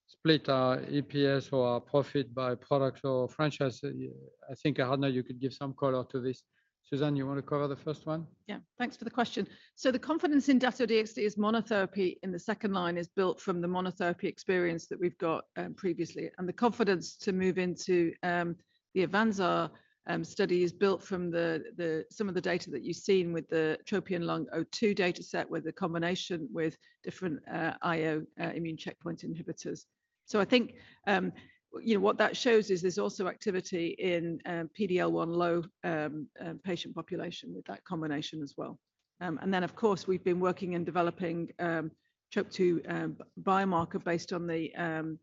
split our EPS or our profit by product or franchise, I think, Adna, you could give some color to this. Susan, you wanna cover the first one? Yeah. Thanks for the question. The confidence in Dato-DXd as monotherapy in the second line is built from the monotherapy experience that we've got previously. The confidence to move into the AVANZAR study is built from some of the data that you've seen with the TROPION-Lung02 dataset with the combination with different IL immune checkpoint inhibitors. I think, you know, what that shows is there's also activity in PD-L1 low patient population with that combination as well. Then, of course, we've been working in developing TROP2 biomarker based on the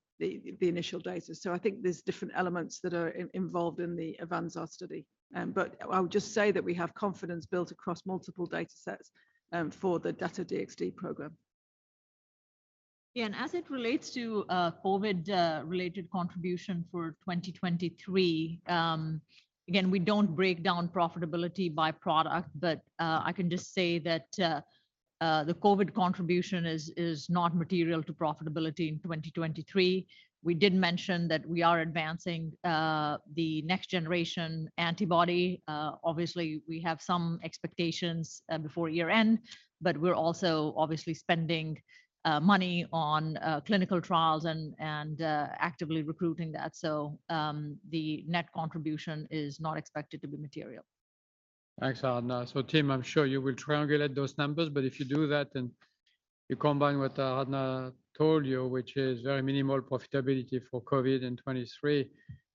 initial data. I think there's different elements that are involved in the AVANZAR study. I would just say that we have confidence built across multiple datasets for the Dato-DXd program. As it relates to COVID related contribution for 2023, again, we don't break down profitability by product. I can just say that the COVID contribution is not material to profitability in 2023. We did mention that we are advancing the next generation antibody. Obviously we have some expectations before year-end, but we're also obviously spending money on clinical trials and actively recruiting that. The net contribution is not expected to be material. Thanks, Aradhana. Team, I'm sure you will triangulate those numbers, but if you do that and you combine what Aradhana told you, which is very minimal profitability for COVID in 2023,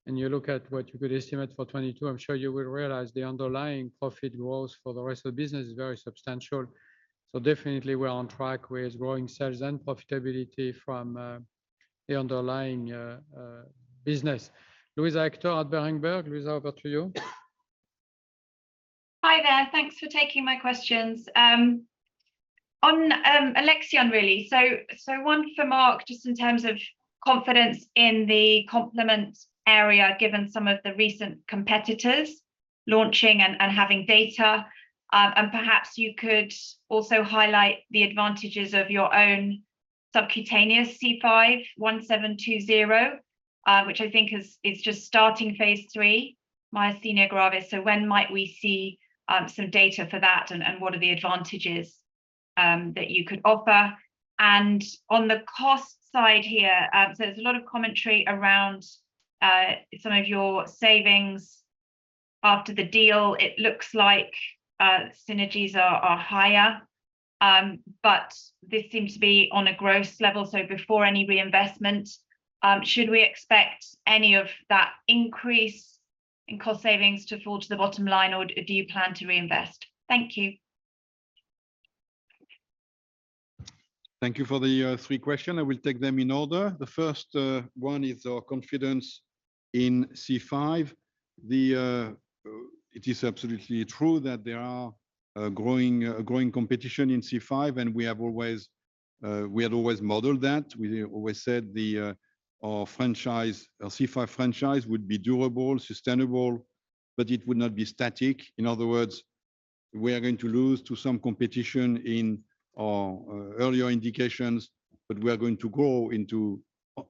and you look at what you could estimate for 2022, I'm sure you will realize the underlying profit growth for the rest of the business is very substantial. Definitely we are on track with growing sales and profitability from the underlying business. Luisa Hector at Berenberg. Luisa, over to you. Hi there. Thanks for taking my questions. On Alexion really, one for Marc, just in terms of confidence in the complement area, given some of the recent competitors launching and having data. Perhaps you could also highlight the advantages of your own subcutaneous C5 1720, which I think is just starting phase III myasthenia gravis. When might we see some data for that, and what are the advantages that you could offer? On the cost side here, there's a lot of commentary around some of your savings after the deal. It looks like synergies are higher. This seems to be on a gross level, so before any reinvestment, should we expect any of that increase in cost savings to fall to the bottom line, or do you plan to reinvest? Thank you. Thank you for the three question. I will take them in order. The first one is our confidence in C5. It is absolutely true that there are growing competition in C5, and we had always modeled that. We always said the our franchise, our C5 franchise would be durable, sustainable, but it would not be static. In other words, we are going to lose to some competition in our earlier indications, but we are going to grow into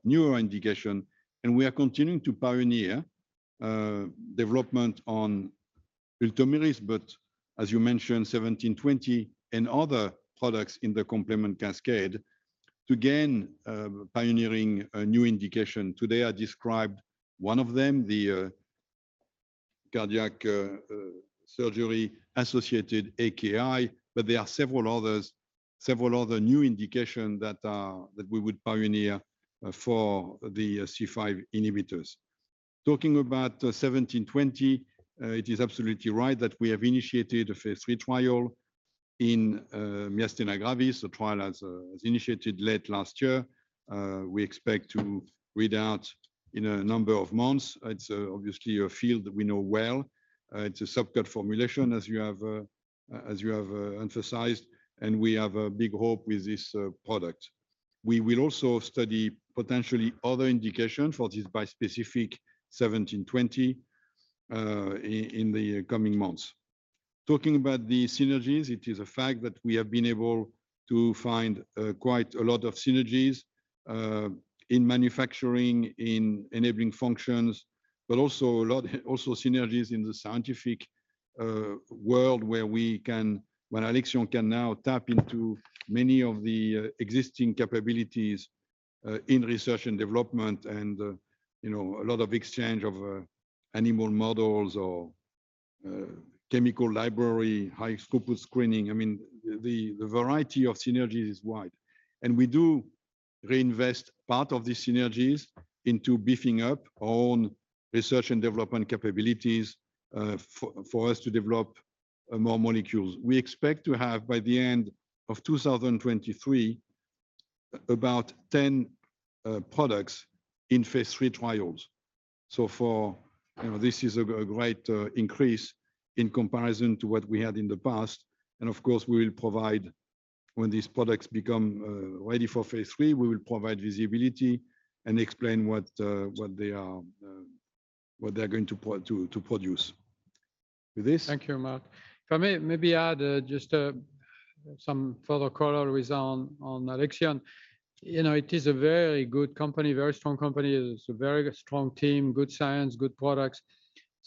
newer indication. We are continuing to pioneer development on Ultomiris, but as you mentioned, 1720 and other products in the complement cascade to gain pioneering a new indication. Today, I described one of them, the cardiac surgery-associated AKI, but there are several others, several other new indication that we would pioneer for the C5 inhibitors. Talking about 1720, it is absolutely right that we have initiated a phase III trial in myasthenia gravis. The trial has initiated late last year. We expect to read out in a number of months. It's obviously a field that we know well. It's a subcut formulation, as you have as you have emphasized, and we have a big hope with this product. We will also study potentially other indication for this bispecific 1720 in the coming months. Talking about the synergies, it is a fact that we have been able to find quite a lot of synergies in manufacturing, in enabling functions, but also synergies in the scientific world where Alexion can now tap into many of the existing capabilities in research and development and, you know, a lot of exchange of animal models or chemical library, high-throughput screening. I mean, the variety of synergies is wide. We do reinvest part of the synergies into beefing up own research and development capabilities for us to develop more molecules. We expect to have, by the end of 2023, about 10 products in phase III trials. you know, this is a great increase in comparison to what we had in the past. Of course, we will provide when these products become ready for phase III, we will provide visibility and explain what they are. What they're going to produce. With this. Thank you, Marc. If I may maybe add, just some further color with on Alexion. You know, it is a very good company, very strong company. It is a very strong team, good science, good products.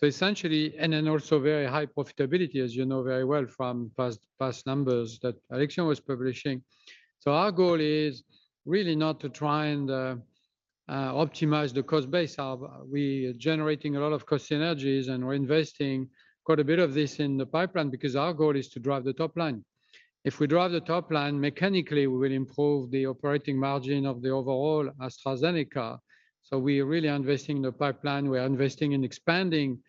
Essentially. Also very high profitability, as you know very well from past numbers that Alexion was publishing. Our goal is really not to try and optimize the cost base. We are generating a lot of cost synergies and we're investing quite a bit of this in the pipeline because our goal is to drive the top line. If we drive the top line, mechanically we will improve the operating margin of the overall AstraZeneca. We are really investing in the pipeline. We are investing in expanding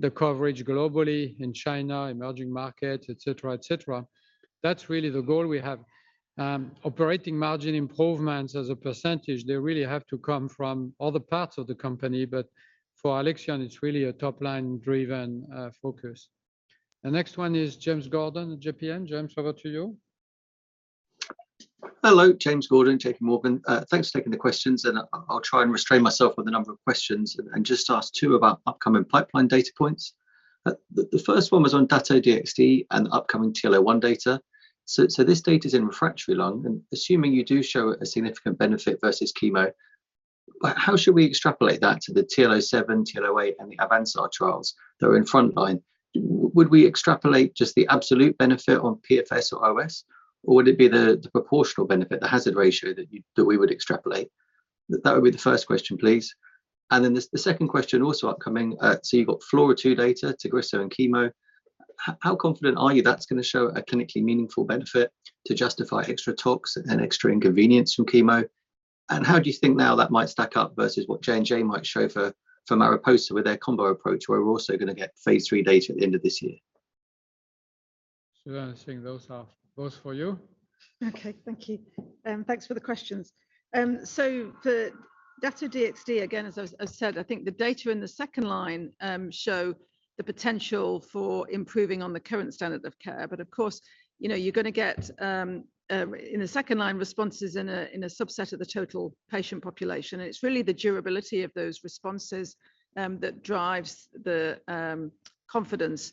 the coverage globally in China, emerging markets, et cetera, et cetera. That's really the goal we have. Operating margin improvements as a percentage, they really have to come from other parts of the company. For Alexion it's really a top-line driven focus. The next one is James Gordon at JPM. James, over to you. Hello. James Gordon, JPMorgan. Thanks for taking the questions, and I'll try and restrain myself on the number of questions and just ask two about upcoming pipeline data points. The first one was on Dato-DXd and upcoming TLO1 data. This data's in refractory lung, and assuming you do show a significant benefit versus chemo, how should we extrapolate that to the TLO7, TLO8, and the AVANZAR trials that are in front line? Would we extrapolate just the absolute benefit on PFS or OS, or would it be the proportional benefit, the hazard ratio that we would extrapolate? That would be the first question, please. The second question, also upcoming, you've got FLAURA2 data, Tagrisso and chemo. How confident are you that's gonna show a clinically meaningful benefit to justify extra talks and extra inconvenience from chemo? How do you think now that might stack up versus what J&J might show for MARIPOSA with their combo approach, where we're also gonna get phase III data at the end of this year? Susan, I think those are, those for you. Okay. Thank you. Thanks for the questions. The Dato-DXd, again, as I, as I said, I think the data in the second line show the potential for improving on the current standard of care, but of course, you know, you're gonna get in the second line responses in a, in a subset of the total patient population. It's really the durability of those responses that drives the confidence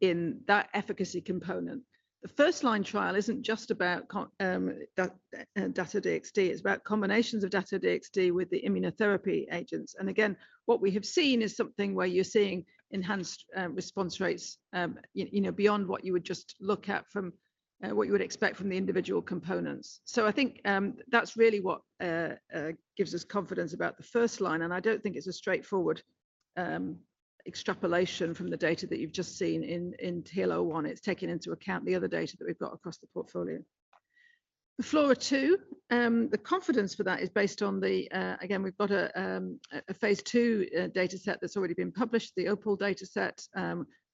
in that efficacy component. The first line trial isn't just about Dato-DXd, it's about combinations of Dato-DXd with the immunotherapy agents. What we have seen is something where you're seeing enhanced response rates, you know, beyond what you would just look at from what you would expect from the individual components. I think that's really what gives us confidence about the first-line, and I don't think it's a straightforward extrapolation from the data that you've just seen in TLO1. It's taking into account the other data that we've got across the portfolio. The FLAURA2, the confidence for that is based on the. We've got a phase II data set that's already been published, the OPAL data set,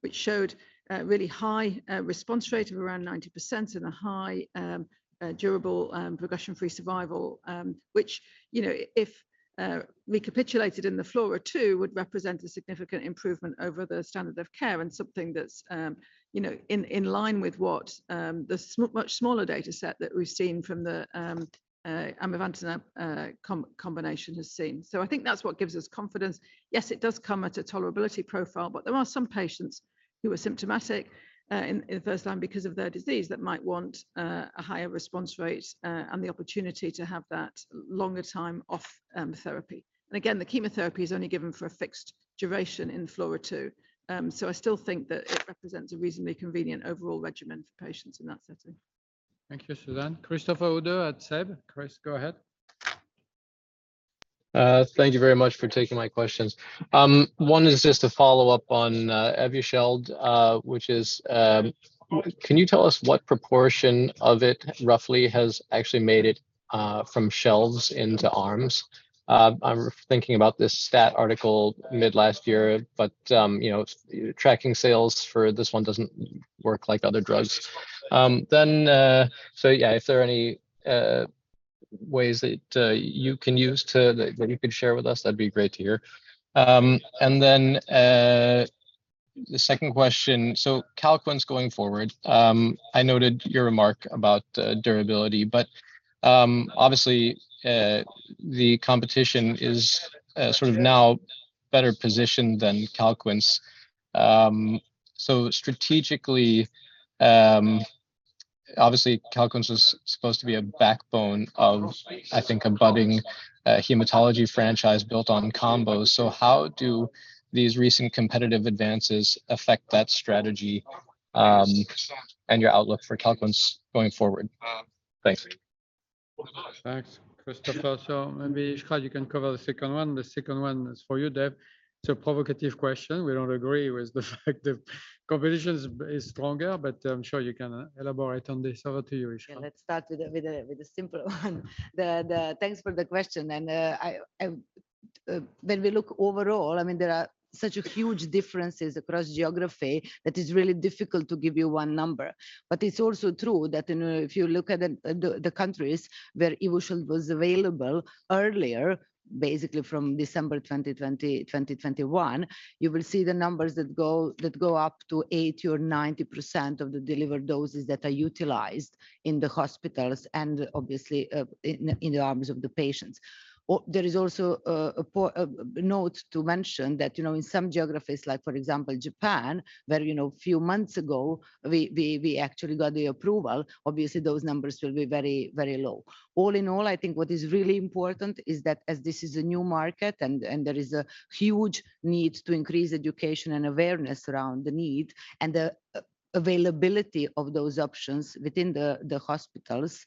which showed a really high response rate of around 90% and a high durable progression-free survival. Which, you know, if recapitulated in the FLAURA2 would represent a significant improvement over the standard of care and something that's, you know, in line with what the much smaller data set that we've seen from the AVANZAR combination has seen. I think that's what gives us confidence. Yes, it does come at a tolerability profile, but there are some patients who are symptomatic in the first line because of their disease that might want a higher response rate and the opportunity to have that longer time off therapy. Again, the chemotherapy is only given for a fixed duration in FLAURA2. I still think that it represents a reasonably convenient overall regimen for patients in that setting. Thank you, Susan. Christopher Uhde at SEB. Chris, go ahead. Thank you very much for taking my questions. One is just a follow-up on Evusheld, which is, can you tell us what proportion of it roughly has actually made it from shelves into arms? I'm thinking about this stat article mid-last year. But, you know, tracking sales for this one doesn't work like other drugs. Then, so yeah, if there are any ways that you can use to that you could share with us, that'd be great to hear. And then, the second question, so Calquence, going forward, I noted your remark about durability, but obviously the competition is sort of now better positioned than Calquence. So, strategically, obviously Calquence is supposed to be a backbone of, I think, a budding hematology franchise built on combo. How do these recent competitive advances affect that strategy, and your outlook for Calquence going forward? Thanks. Thanks, Christopher. Maybe, Iskra, you can cover the second one. The second one is for you, Dave. It's a provocative question. We don't agree with the fact the competition is stronger, but I'm sure you can elaborate on this. Over to you, Iskra. Yeah, let's start with the simpler one. Thanks for the question. I mean, there are such huge differences across geography that it's really difficult to give you one number. It's also true that, you know, if you look at the countries where Evusheld was available earlier, basically from December 2020, 2021, you will see the numbers that go up to 80% or 90% of the delivered doses that are utilized in the hospitals and obviously, in the arms of the patients. There is also a note to mention that, you know, in some geographies, like for example, Japan, where, you know, few months ago we actually got the approval, obviously those numbers will be very, very low. All in all, I think what is really important is that as this is a new market and there is a huge need to increase education and awareness around the need and the availability of those options within the hospitals,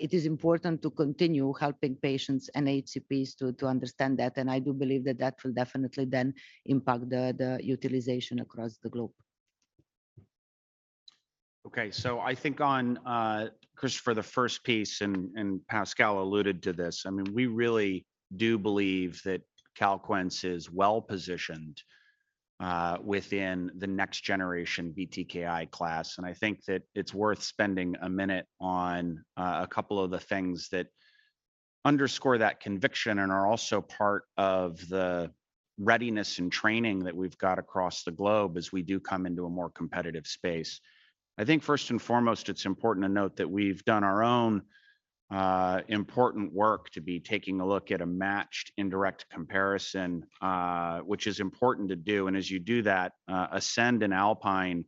it is important to continue helping patients and HCPs to understand that. I do believe that that will definitely then impact the utilization across the globe. I think on Christopher, the first piece, and Pascal alluded to this, I mean, we really do believe that Calquence is well-positioned within the next generation BTKI class. I think that it's worth spending a minute on a couple of the things that underscore that conviction and are also part of the readiness and training that we've got across the globe as we do come into a more competitive space. I think first and foremost, it's important to note that we've done our own important work to be taking a look at a matched indirect comparison, which is important to do. As you do that, ASCEND and ALPINE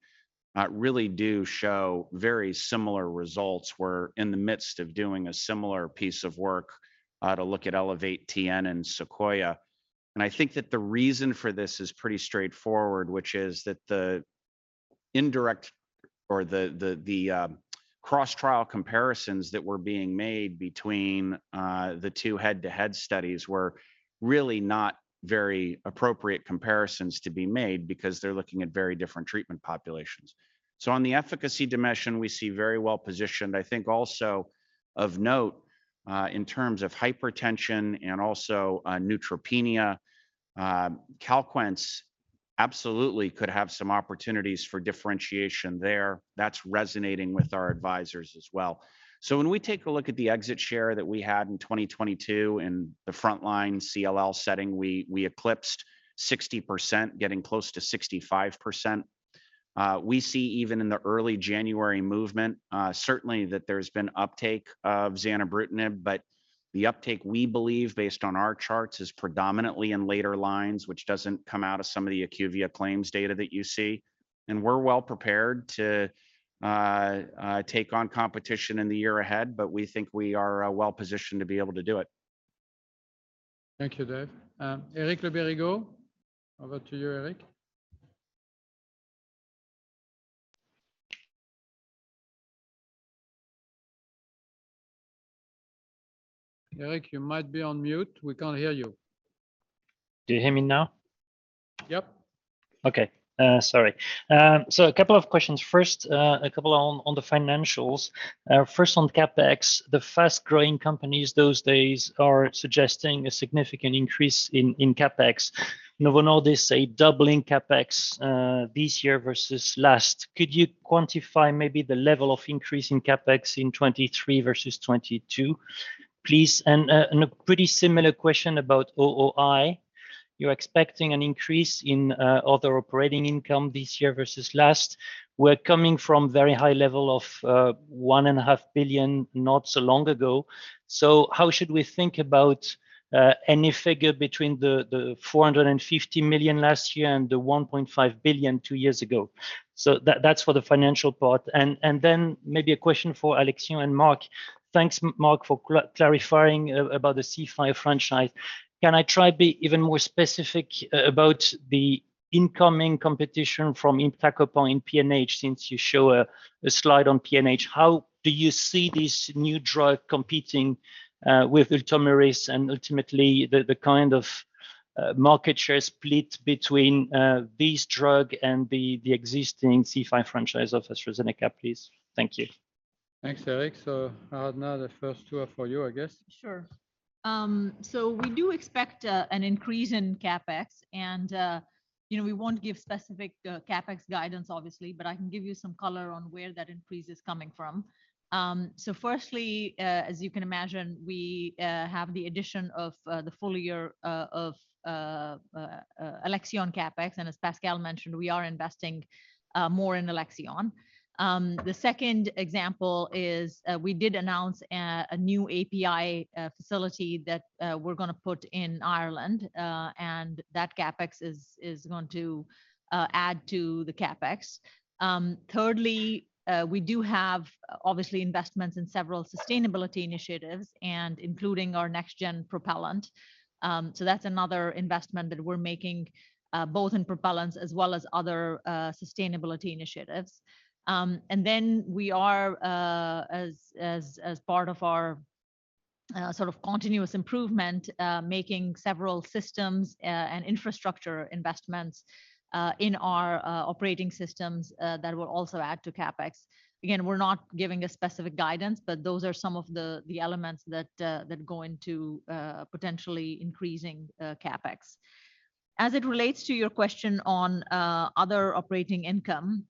really do show very similar results. We're in the midst of doing a similar piece of work to look at ELEVATE-TN and SEQUOIA. I think that the reason for this is pretty straightforward, which is that the indirect or the cross-trial comparisons that were being made between the two head-to-head studies were really not very appropriate comparisons to be made because they're looking at very different treatment populations. On the efficacy dimension, we see very well-positioned. I think also of note, in terms of hypertension and also neutropenia, Calquence absolutely could have some opportunities for differentiation there. That's resonating with our advisors as well. When we take a look at the exit share that we had in 2022 in the frontline CLL setting, we eclipsed 60%, getting close to 65%. We see even in the early January movement, certainly that there's been uptake of zanubrutinib, but the uptake we believe based on our charts is predominantly in later lines, which doesn't come out of some of the IQVIA claims data that you see. We're well prepared to take on competition in the year ahead, but we think we are well-positioned to be able to do it. Thank you, Dave. Eric Le Berrigaud. Over to you, Eric. Eric, you might be on mute. We can't hear you. Do you hear me now? Yep. Okay. Sorry. A couple of questions. First, a couple on the financials. First on CapEx, the fast-growing companies those days are suggesting a significant increase in CapEx. Novo Nordisk say doubling CapEx this year versus last. Could you quantify maybe the level of increase in CapEx in 2023 versus 2022, please? A pretty similar question about OOI. You're expecting an increase in other operating income this year versus last. We're coming from very high level of one and a half billion not so long ago. How should we think about any figure between the $450 million last year and the $1.5 billion two years ago? That's for the financial part. Then maybe a question for Alexion and Marc. Thanks, Marc, for clarifying about the C5 franchise. Can I try be even more specific about the incoming competition from iptacopan in PNH since you show a slide on PNH? How do you see this new drug competing with Ultomiris and ultimately the kind of market share split between this drug and the existing C5 franchise of AstraZeneca, please? Thank you. Thanks, Eric. Aradhana, the first two are for you, I guess. Sure. We do expect an increase in CapEx and, you know, we won't give specific CapEx guidance obviously, but I can give you some color on where that increase is coming from. Firstly, as you can imagine, we have the addition of the full year of Alexion CapEx. As Pascal mentioned, we are investing more in Alexion. The second example is, we did announce a new API facility that we're gonna put in Ireland, and that CapEx is going to add to the CapEx. Thirdly, we do have obviously investments in several sustainability initiatives and including our next gen propellant. That's another investment that we're making both in propellants as well as other sustainability initiatives. We are as part of our sort of continuous improvement, making several systems and infrastructure investments in our operating systems that will also add to CapEx. Again, we're not giving a specific guidance. Those are some of the elements that go into potentially increasing CapEx. As it relates to your question on Other Operating Income,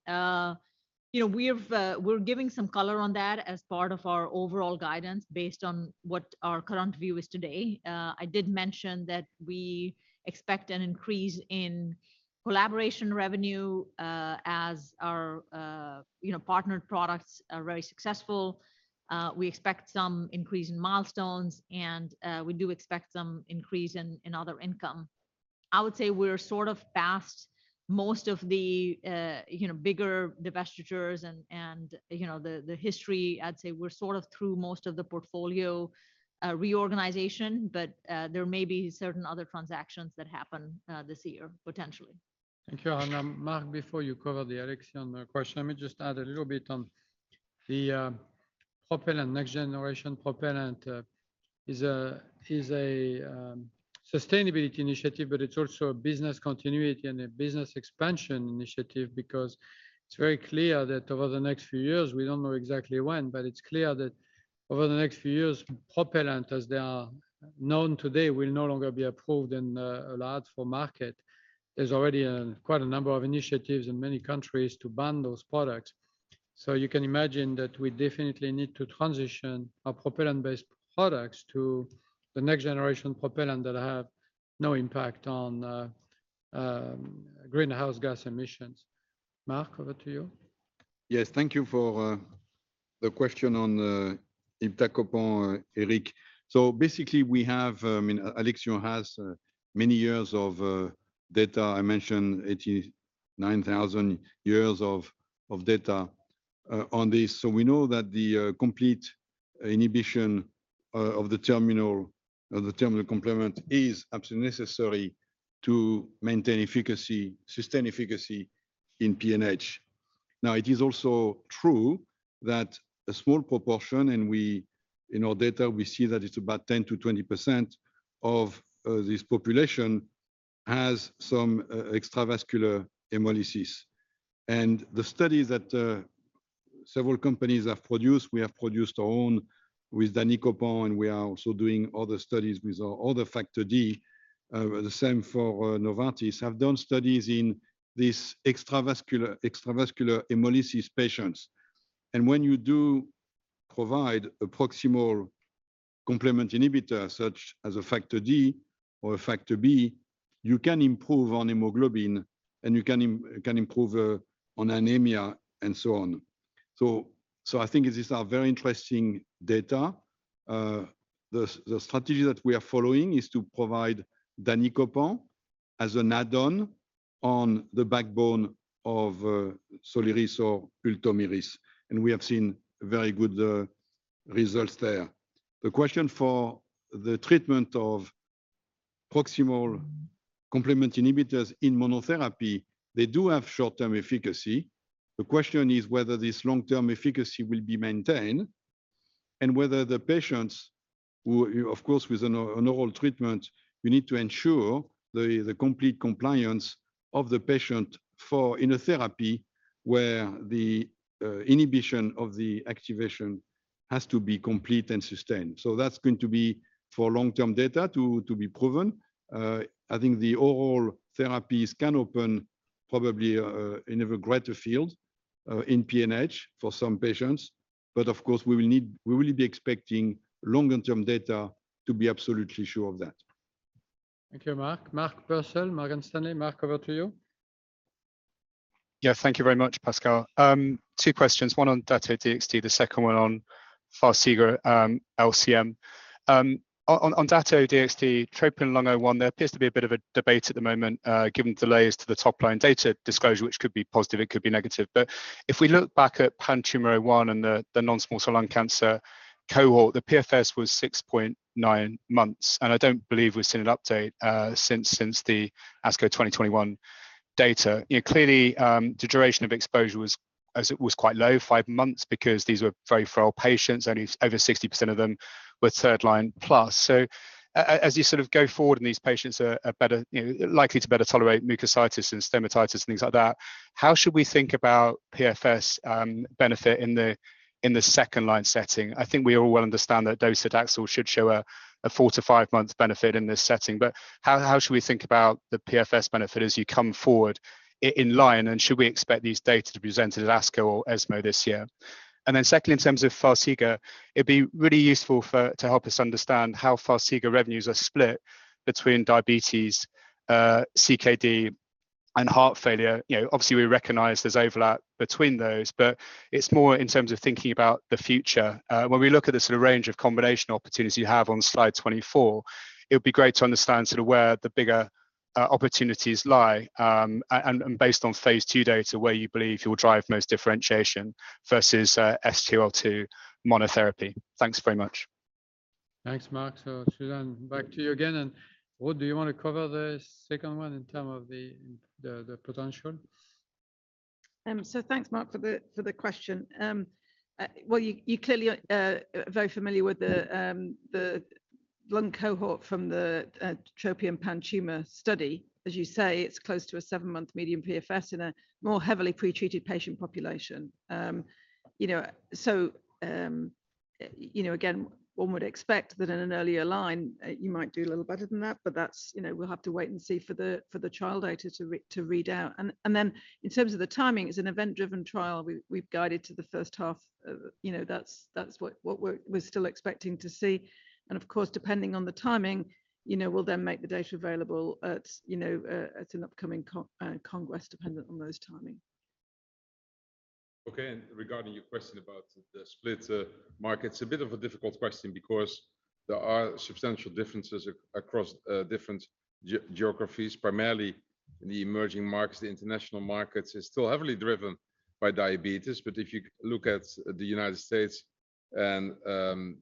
you know, we've, we're giving some color on that as part of our overall guidance based on what our current view is today. I did mention that we expect an increase in collaboration revenue, as our, you know, partnered products are very successful. We expect some increase in milestones, we do expect some increase in other income. I would say we're sort of past most of the, you know, bigger divestitures and, you know, the history. I'd say we're sort of through most of the portfolio reorganization, there may be certain other transactions that happen this year, potentially. Thank you, Aradhana. Marc, before you cover the Alexion question, let me just add a little bit on the propellant, next-generation propellant, is a sustainability initiative, but it's also a business continuity and a business expansion initiative because it's very clear that over the next few years, we don't know exactly when, but it's clear that over the next few years, propellant, as they are known today, will no longer be approved and allowed for market. There's already quite a number of initiatives in many countries to ban those products. You can imagine that we definitely need to transition our propellant-based products to the next-generation propellant that have no impact on greenhouse gas emissions. Marc, over to you. Yes. Thank you for the question on iptacopan, Eric. Basically, we have, and Alexion has many years of data. I mentioned 89,000 years of data on this. We know that the complete inhibition of the terminal complement is absolutely necessary to maintain efficacy, sustain efficacy in PNH. Now, it is also true that a small proportion, and we in our data, we see that it's about 10%-20% of this population has some extravascular hemolysis. The studies that several companies have produced, we have produced our own with danicopan, and we are also doing other studies with other factor D. The same for Novartis, have done studies in these extravascular hemolysis patients. When you do provide a proximal complement inhibitor such as a factor D or factor B, you can improve on hemoglobin, and you can improve on anemia and so on. I think these are very interesting data. The strategy that we are following is to provide danicopan as an add-on on the backbone of Soliris or Ultomiris, and we have seen very good results there. The question for the treatment of proximal complement inhibitors in monotherapy, they do have short-term efficacy. The question is whether this long-term efficacy will be maintained and whether the patients who, of course, with an oral treatment, we need to ensure the complete compliance of the patient for in a therapy where the inhibition of the activation has to be complete and sustained. That's going to be for long-term data to be proven. I think the oral therapies can open probably in a greater field in PNH for some patients. Of course, we will be expecting longer-term data to be absolutely sure of that. Thank you, Marc. Mark Purcell, Morgan Stanley. Mark, over to you. Thank you very much, Pascal. Two questions. One on Dato-DXd, the second one on Farxiga, LCM. On Dato-DXd, TROPION-Lung01, there appears to be a bit of a debate at the moment, given delays to the top-line data disclosure, which could be positive, it could be negative. If we look back at PanTumor01 and the non-small cell lung cancer cohort, the PFS was 6.9 months, and I don't believe we've seen an update since the ASCO 2021 data. You know, clearly, the duration of exposure was quite low, five months, because these were very frail patients. Only over 60% of them were third-line plus. As you sort of go forward and these patients are better, you know, likely to better tolerate mucositis and stomatitis, things like that, how should we think about PFS benefit in the second-line setting? I think we all well understand that docetaxel should show a four-five month benefit in this setting. How should we think about the PFS benefit as you come forward in line? Should we expect these data to be presented at ASCO or ESMO this year? Secondly, in terms of Farxiga, it'd be really useful to help us understand how Farxiga revenues are split between diabetes, CKD, and heart failure. You know, obviously, we recognize there's overlap between those, but it's more in terms of thinking about the future. When we look at the sort of range of combination opportunities you have on slide 24, it would be great to understand sort of where the bigger opportunities lie, and based on phase II data, where you believe you'll drive most differentiation versus SGLT2 monotherapy. Thanks very much. Thanks, Marc. Susan, back to you again. Aude, do you want to cover the second one in terms of the potential? Thanks, Marc, for the question. Well, you clearly are very familiar with the lung cohort from the TROPION-PanTumor study. As you say, it's close to a seven-month median PFS in a more heavily pre-treated patient population. You know. You know, again, one would expect that in an earlier line you might do a little better than that, but that's. You know, we'll have to wait and see for the trial data to read out. Then in terms of the timing, it's an event-driven trial. We've guided to the first half of. You know, that's what we're still expecting to see. Of course, depending on the timing, you know, we'll then make the data available at, you know, at an upcoming congress dependent on those timing. Okay. Regarding your question about the split markets, a bit of a difficult question because there are substantial differences across different geographies, primarily in the emerging markets. The international markets is still heavily driven by diabetes. If you look at the United States and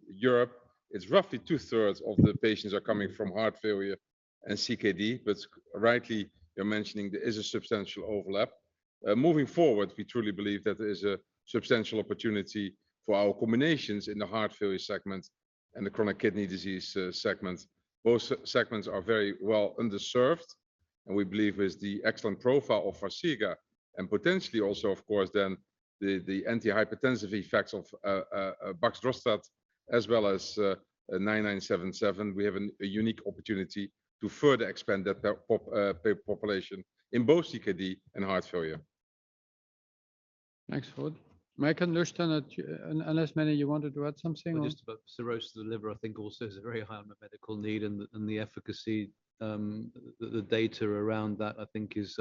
Europe, it's roughly two-thirds of the patients are coming from heart failure and CKD. Rightly, you're mentioning there is a substantial overlap. Moving forward, we truly believe that there is a substantial opportunity for our combinations in the heart failure segment and the chronic kidney disease segment. Both segments are very well underserved, and we believe with the excellent profile of Farxiga and potentially also, of course, then the antihypertensive effects of baxdrostat as well as 9977, we have a unique opportunity to further expand that patient population in both CKD and heart failure. Thanks, Ruud. Michael Leuchten at... unless, Mene, you wanted to add something or? Just about cirrhosis of the liver, I think also is a very high unmet medical need and the efficacy, the data around that I think is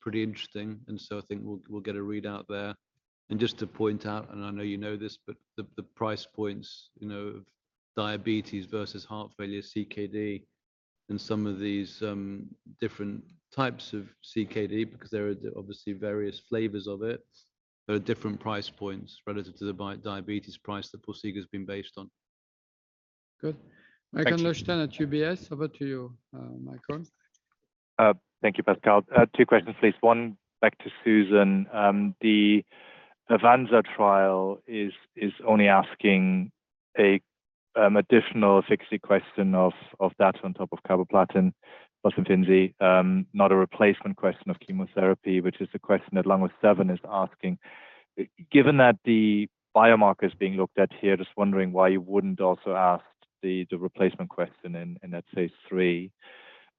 pretty interesting. I think we'll get a readout there. Just to point out, and I know you know this, but the price points, you know, of diabetes versus heart failure, CKD, and some of these different types of CKD, because there are obviously various flavors of it, there are different price points relative to the diabetes price that Farxiga has been based on. Good. Thank you. Michael Leuchten at UBS, over to you, Michael. Thank you, Pascal. Two questions please. One back to Susan. The AVANZAR trial is only asking a additional efficacy question of that on top of carboplatin plus Dato-DXd, not a replacement question of chemotherapy, which is the question that Lung07 is asking. Given that the biomarker is being looked at here, just wondering why you wouldn't also ask the replacement question in that phase III.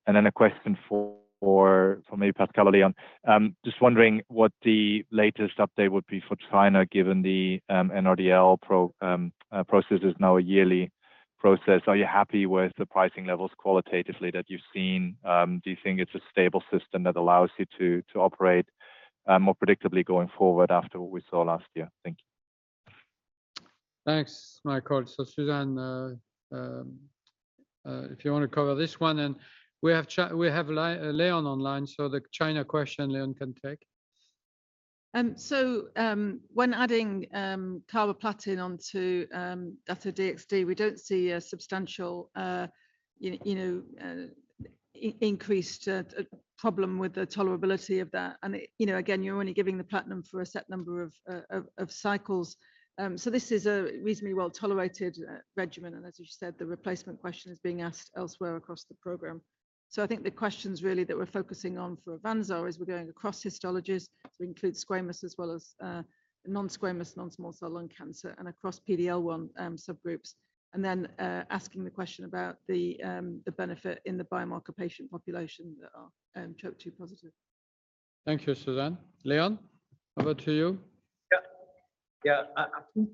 Then a question for maybe Pascal or Leon. Just wondering what the latest update would be for China, given the NRDL process is now a yearly process. Are you happy with the pricing levels qualitatively that you've seen? Do you think it's a stable system that allows you to operate more predictably going forward after what we saw last year? Thank you. Thanks, Michael. Susan, if you wanna cover this one and we have Leon online, the China question Leon can take. When adding carboplatin onto Dato-DXd, we don't see a substantial, you know, increased problem with the tolerability of that. And it... You know, again, you're only giving the platinum for a set number of cycles. This is a reasonably well-tolerated regimen, and as you said, the replacement question is being asked elsewhere across the program. I think the questions really that we're focusing on for AVANZAR is we're going across histologies to include squamous as well as non-squamous non-small cell lung cancer and across PD-L1 subgroups. Then asking the question about the benefit in the biomarker patient population that are TROP2 positive. Thank you, Susan. Leon, over to you. Yeah. I think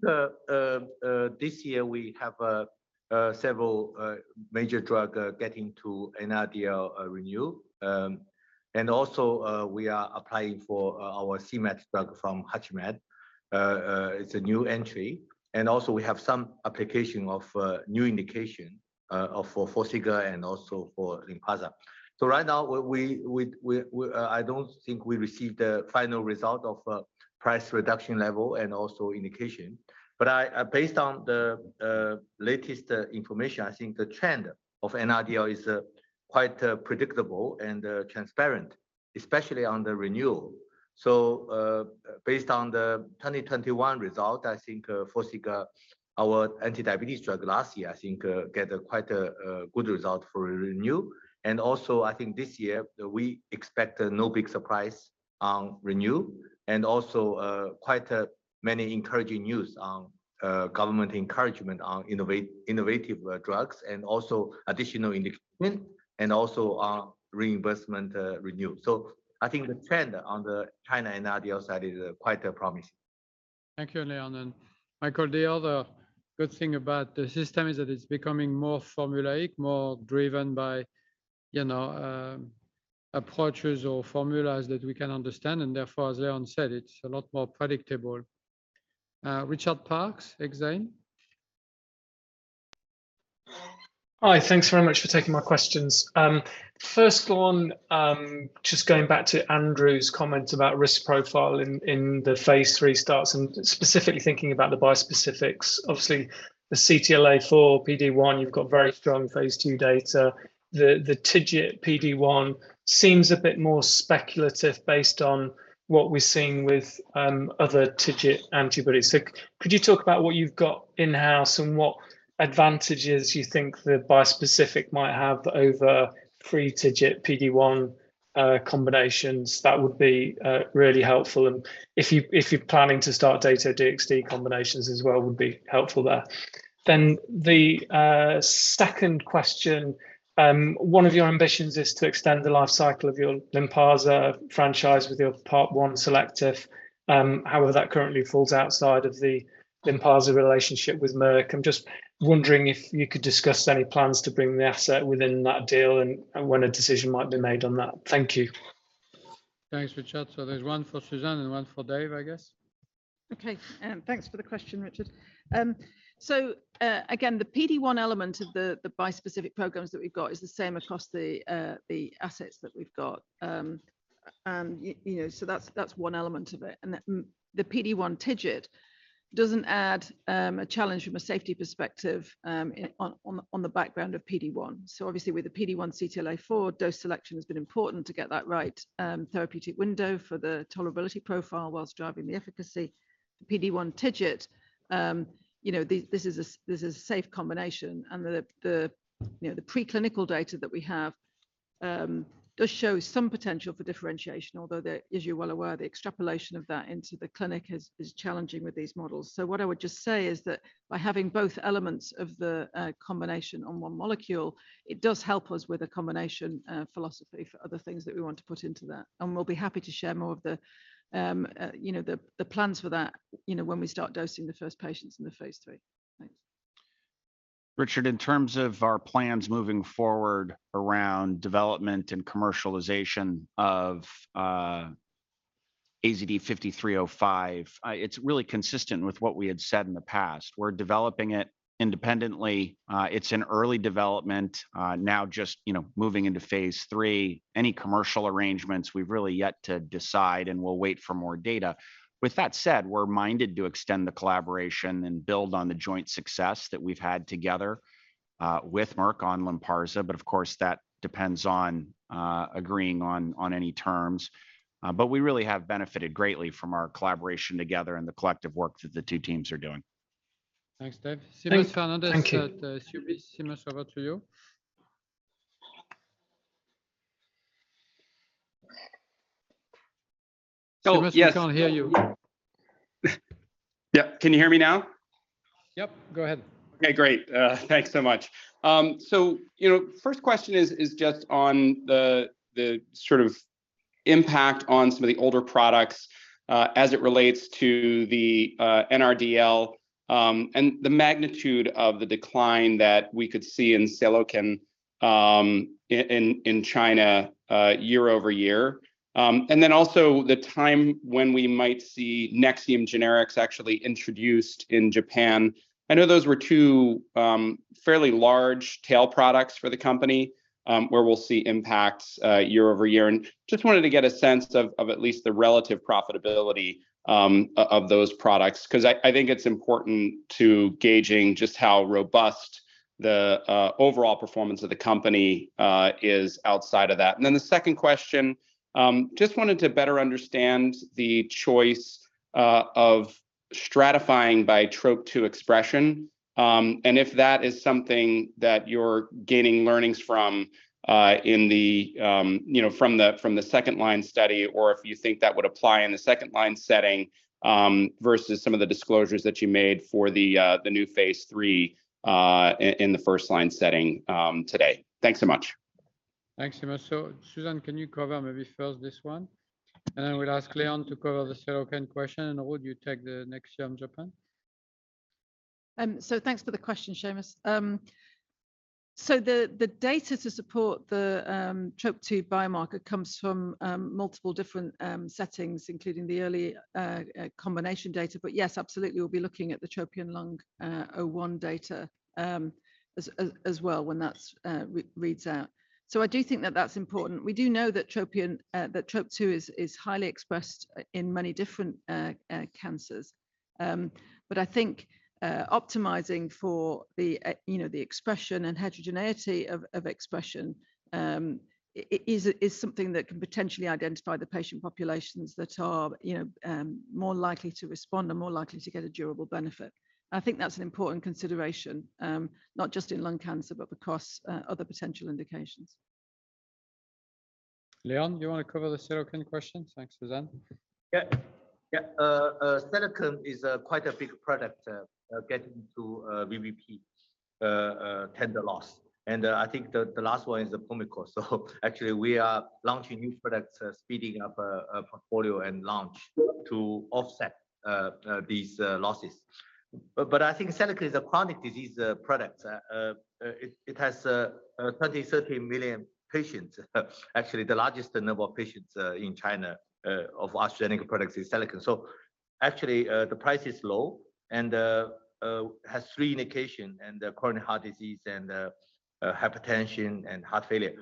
this year we have several major drug getting to NRDL renewal. Also, we are applying for our cMET drug from HUTCHMED. It's a new entry. Also we have some application of new indication for Farxiga and also for Lynparza. Right now we don't think we received the final result of price reduction level and also indication. I based on the latest information, I think the trend of NRDL is quite predictable and transparent, especially on the renewal. Based on the 2021 result, I think Farxiga, our anti-diabetes drug last year, I think get a quite a good result for renewal. I think this year we expect no big surprise on renew and also, quite many encouraging news on government encouragement on innovative drugs and also additional indication and also on reimbursement renewal. So I think the trend on the China NRDL side is quite promising. Thank you, Leon. Michael, the other good thing about the system is that it's becoming more formulaic, more driven by, you know, approaches or formulas that we can understand, therefore, as Leon said, it's a lot more predictable. Richard Parkes, Exane. Hi. Thanks very much for taking my questions. First one, just going back to Andrew's comment about risk profile in the phase III starts and specifically thinking about the bispecifics. Obviously, the CTLA-4/PD-1, you've got very strong phase II data. The TIGIT/PD-1 seems a bit more speculative based on what we're seeing with other TIGIT antibodies. Could you talk about what you've got in-house and what advantages you think the bispecific might have over free TIGIT/PD-1 combinations? That would be really helpful. If you're planning to start Dato-DXd combinations as well, would be helpful there. The second question, one of your ambitions is to extend the life cycle of your Lynparza franchise with your PARP-1 selective. However, that currently falls outside of the Lynparza relationship with Merck. I'm just wondering if you could discuss any plans to bring the asset within that deal and when a decision might be made on that. Thank you. Thanks, Richard. There's one for Susan and one for Dave, I guess. Okay. Thanks for the question, Richard. Again, the PD-1 element of the bispecific programs that we've got is the same across the assets that we've got. You know, so that's one element of it. The PD-1/TIGIT doesn't add a challenge from a safety perspective on the background of PD-1. So obviously with the PD-1/CTLA-4, dose selection has been important to get that right therapeutic window for the tolerability profile whilst driving the efficacy. The PD-1/TIGIT, you know, this is a safe combination, and the, you know, the preclinical data that we have does show some potential for differentiation, although the, as you're well aware, the extrapolation of that into the clinic is challenging with these models. What I would just say is that by having both elements of the combination on one molecule, it does help us with a combination philosophy for other things that we want to put into that. We'll be happy to share more of the, you know, the plans for that, you know, when we start dosing the first patients in the phase III. Thanks. Richard, in terms of our plans moving forward around development and commercialization of AZD5305, it's really consistent with what we had said in the past. We're developing it independently. It's in early development, now just, you know, moving into phase III. Any commercial arrangements, we've really yet to decide, and we'll wait for more data. With that said, we're minded to extend the collaboration and build on the joint success that we've had together, with Merck on Lynparza, but of course, that depends on agreeing on any terms. We really have benefited greatly from our collaboration together and the collective work that the two teams are doing. Thanks, Dave. Thanks. Seamus Fernandez at UBS. Thank you. Seamus, over to you. Yes- Seamus, we can't hear you. Yeah. Can you hear me now? Yep. Go ahead. Okay, great. Thanks so much. You know, first question is just on the sort of impact on some of the older products as it relates to the NRDL and the magnitude of the decline that we could see in Seloken in China year-over-year. Also the time when we might see Nexium generics actually introduced in Japan. I know those were two fairly large tail products for the company, where we'll see impacts year-over-year. Just wanted to get a sense of at least the relative profitability of those products, 'cause I think it's important to gauging just how robust the overall performance of the company is outside of that. The second question, just wanted to better understand the choice of stratifying by TROP2 expression, and if that is something that you're gaining learnings from, in the, you know, from the second-line study, or if you think that would apply in the second-line setting, versus some of the disclosures that you made for the new phase III, in the first line setting, today. Thanks so much. Thanks, Seamus. Susan, can you cover maybe first this one? Then we'll ask Leon to cover the Seloken question. Ruud, you take the Nexium Japan. Thanks for the question, Seamus. The data to support the TROP2 biomarker comes from multiple different settings, including the early combination data. Yes, absolutely, we'll be looking at the TROPION-Lung01 data as well when that's reads out. I do think that that's important. We do know that TROP2 is highly expressed in many different cancers. But I think optimizing for the, you know, the expression and heterogeneity of expression is something that can potentially identify the patient populations that are, you know, more likely to respond and more likely to get a durable benefit. I think that's an important consideration, not just in lung cancer, but across other potential indications. Leon, do you wanna cover the Seloken question? Thanks, Susan. Yeah. Yeah. Seloken is quite a big product getting to VBP tender loss. I think the last one is the Pulmicort. Actually, we are launching new products speeding up a portfolio and launch to offset these losses. I think Seloken is a chronic disease product. It has 20, 30 million patients. Actually, the largest number of patients in China of AstraZeneca products is Seloken. Actually, the price is low and has three indications, the chronic heart disease, hypertension and heart failure.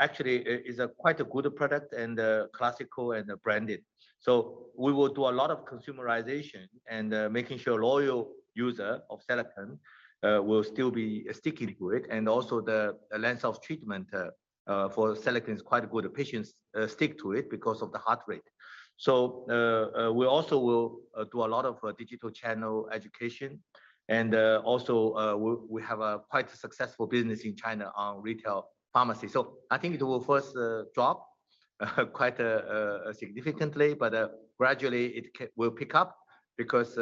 Actually, it is quite a good product and classical and branded. We will do a lot of consumerization and making sure loyal user of Seloken will still be sticking to it. The length of treatment for Seloken is quite good. Patients stick to it because of the heart rate. We also will do a lot of digital channel education. Also, we have a quite successful business in China on retail pharmacy. I think it will first drop quite significantly, but gradually it will pick up because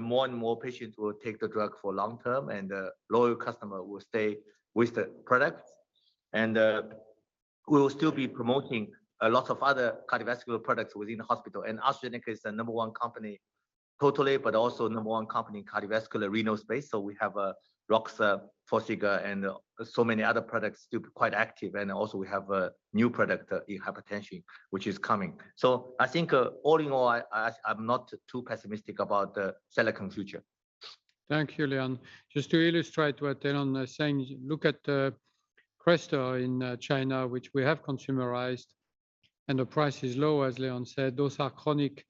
more and more patients will take the drug for long term, and the loyal customer will stay with the product. We will still be promoting a lot of other cardiovascular products within the hospital. AstraZeneca is the number one company- Totally, also number one company in cardiovascular renal space. We have roxadustat, Forxiga, and so many other products still quite active. Also we have a new product in hypertension which is coming. I think, all in all, I'm not too pessimistic about the Seloken future. Thank you, Leon. Just to illustrate what Leon is saying, look at Crestor in China, which we have consumerized, and the price is low, as Leon said. Those are chronic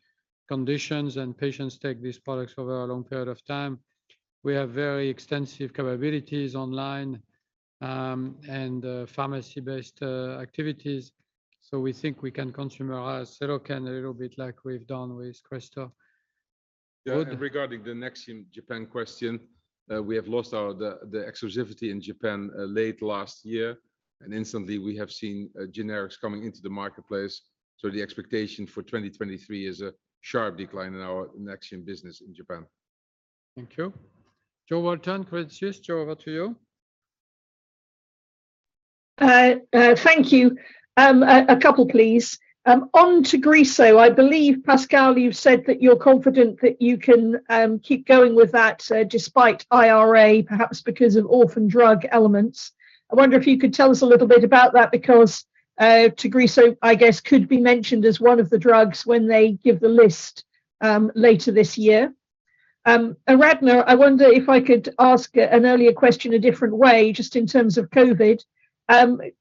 conditions, and patients take these products over a long period of time. We have very extensive capabilities online, and pharmacy-based activities, so we think we can consumerize Seloken a little bit like we've done with Crestor. Regarding the Nexium Japan question, we have lost our the exclusivity in Japan late last year, and instantly we have seen generics coming into the marketplace. The expectation for 2023 is a sharp decline in our Nexium business in Japan. Thank you. Jo Walton, Credit Suisse. Jo, over to you. Thank you. A couple, please. On Tagrisso, I believe, Pascal, you've said that you're confident that you can keep going with that despite IRA, perhaps because of orphan drug elements. I wonder if you could tell us a little bit about that because Tagrisso, I guess, could be mentioned as one of the drugs when they give the list later this year. Aradhana, I wonder if I could ask an earlier question a different way, just in terms of COVID.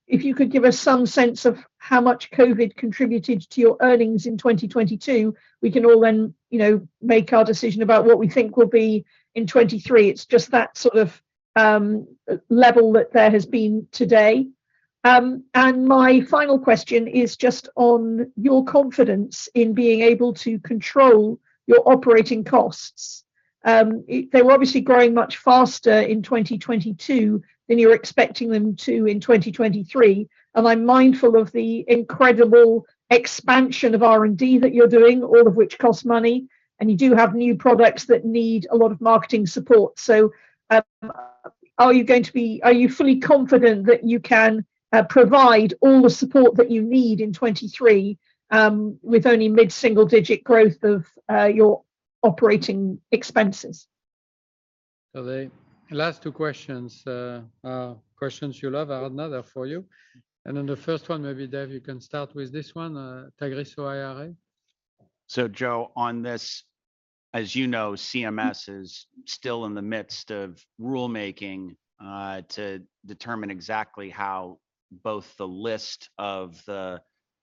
If you could give us some sense of how much COVID contributed to your earnings in 2022, we can all then, you know, make our decision about what we think will be in 2023. It's just that sort of level that there has been today. My final question is just on your confidence in being able to control your operating costs. They were obviously growing much faster in 2022 than you're expecting them to in 2023, I'm mindful of the incredible expansion of R&D that you're doing, all of which costs money, You do have new products that need a lot of marketing support. Are you fully confident that you can provide all the support that you need in 2023 with only mid-single-digit growth of your operating expenses? The last two questions are questions you love. I have another for you. The first one, maybe, Dave, you can start with this one, Tagrisso IRA. Jo, on this, as you know, CMS is still in the midst of rulemaking to determine exactly how both the list of the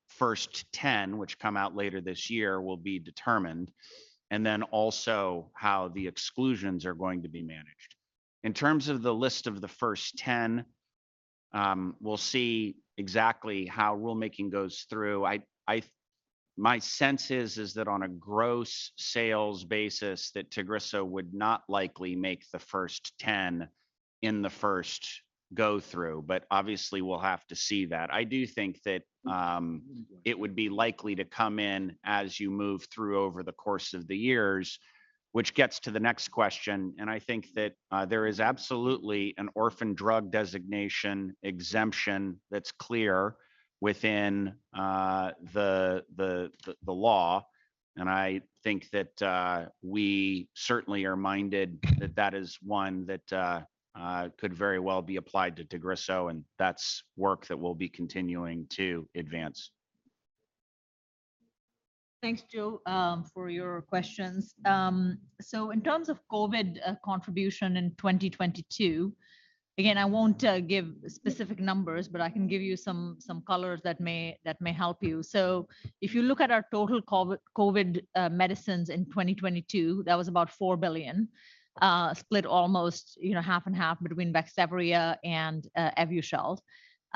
first 10, which come out later this year, will be determined, also how the exclusions are going to be managed. In terms of the list of the first 10, we'll see exactly how rulemaking goes through. My sense is that on a gross sales basis, Tagrisso would not likely make the first 10 in the first go-through. Obviously, we'll have to see that. I do think that it would be likely to come in as you move through over the course of the years, which gets to the next question. I think that there is absolutely an orphan drug designation exemption that's clear within the law. I think that, we certainly are minded that that is one that, could very well be applied to Tagrisso, and that's work that we'll be continuing to advance. Thanks, Jo, for your questions. In terms of COVID contribution in 2022, again, I won't give specific numbers, but I can give you some colors that may help you. If you look at our total COVID medicines in 2022, that was about $4 billion, split almost, you know, half and half between Vaxzevria and Evusheld.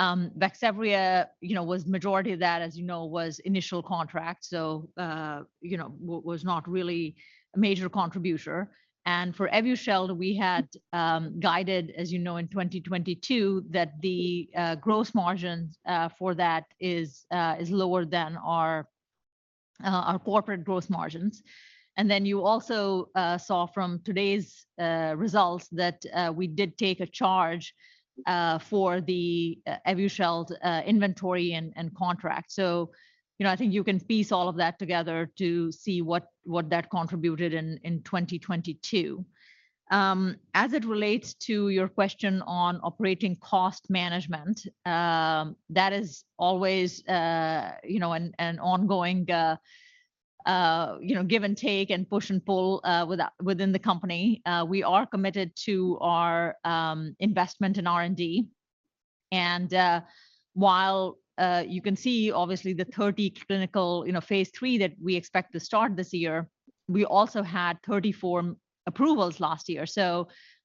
Vaxzevria, you know, was majority of that, as you know, was initial contract. Was not really a major contributor. For Evusheld, we had guided, as you know, in 2022 that the gross margins for that is lower than our corporate gross margins. You also saw from today's results that we did take a charge for the Evusheld inventory and contract. You know, I think you can piece all of that together to see what that contributed in 2022. As it relates to your question on operating cost management, that is always, you know, an ongoing, you know, give-and-take and push-and-pull within the company. We are committed to our investment in R&D. While you can see obviously the 30 clinical, you know, phase III that we expect to start this year, we also had 34 approvals last year.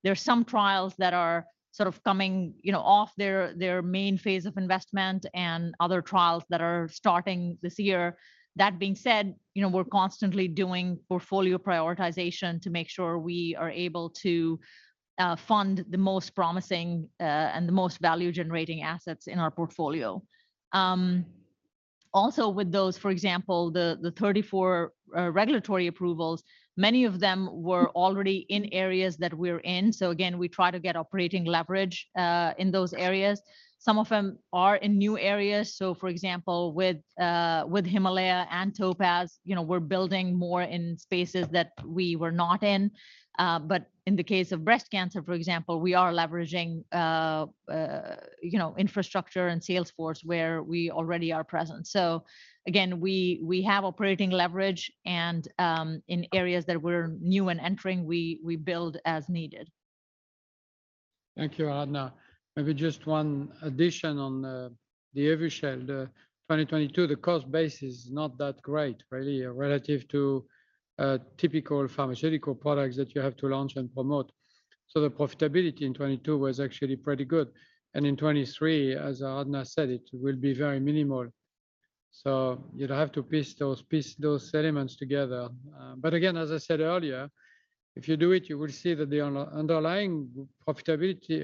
There are some trials that are sort of coming, you know, off their main phase of investment and other trials that are starting this year. That being said, you know, we're constantly doing portfolio prioritization to make sure we are able to fund the most promising and the most value-generating assets in our portfolio. Also with those, for example, the 34 regulatory approvals, many of them were already in areas that we're in. Again, we try to get operating leverage in those areas. Some of them are in new areas. For example, with HIMALAYA and TOPAZ, you know, we're building more in spaces that we were not in. But in the case of breast cancer, for example, we are leveraging, you know, infrastructure and sales force where we already are present. Again, we have operating leverage, and in areas that we're new and entering, we build as needed. Thank you, Aradhana. Maybe just one addition on the Evusheld. 2022, the cost base is not that great really relative to typical pharmaceutical products that you have to launch and promote. The profitability in 2022 was actually pretty good. In 2023, as Aradhana said, it will be very minimal. You'd have to piece those elements together. But again, as I said earlier, if you do it, you will see that the underlying profitability,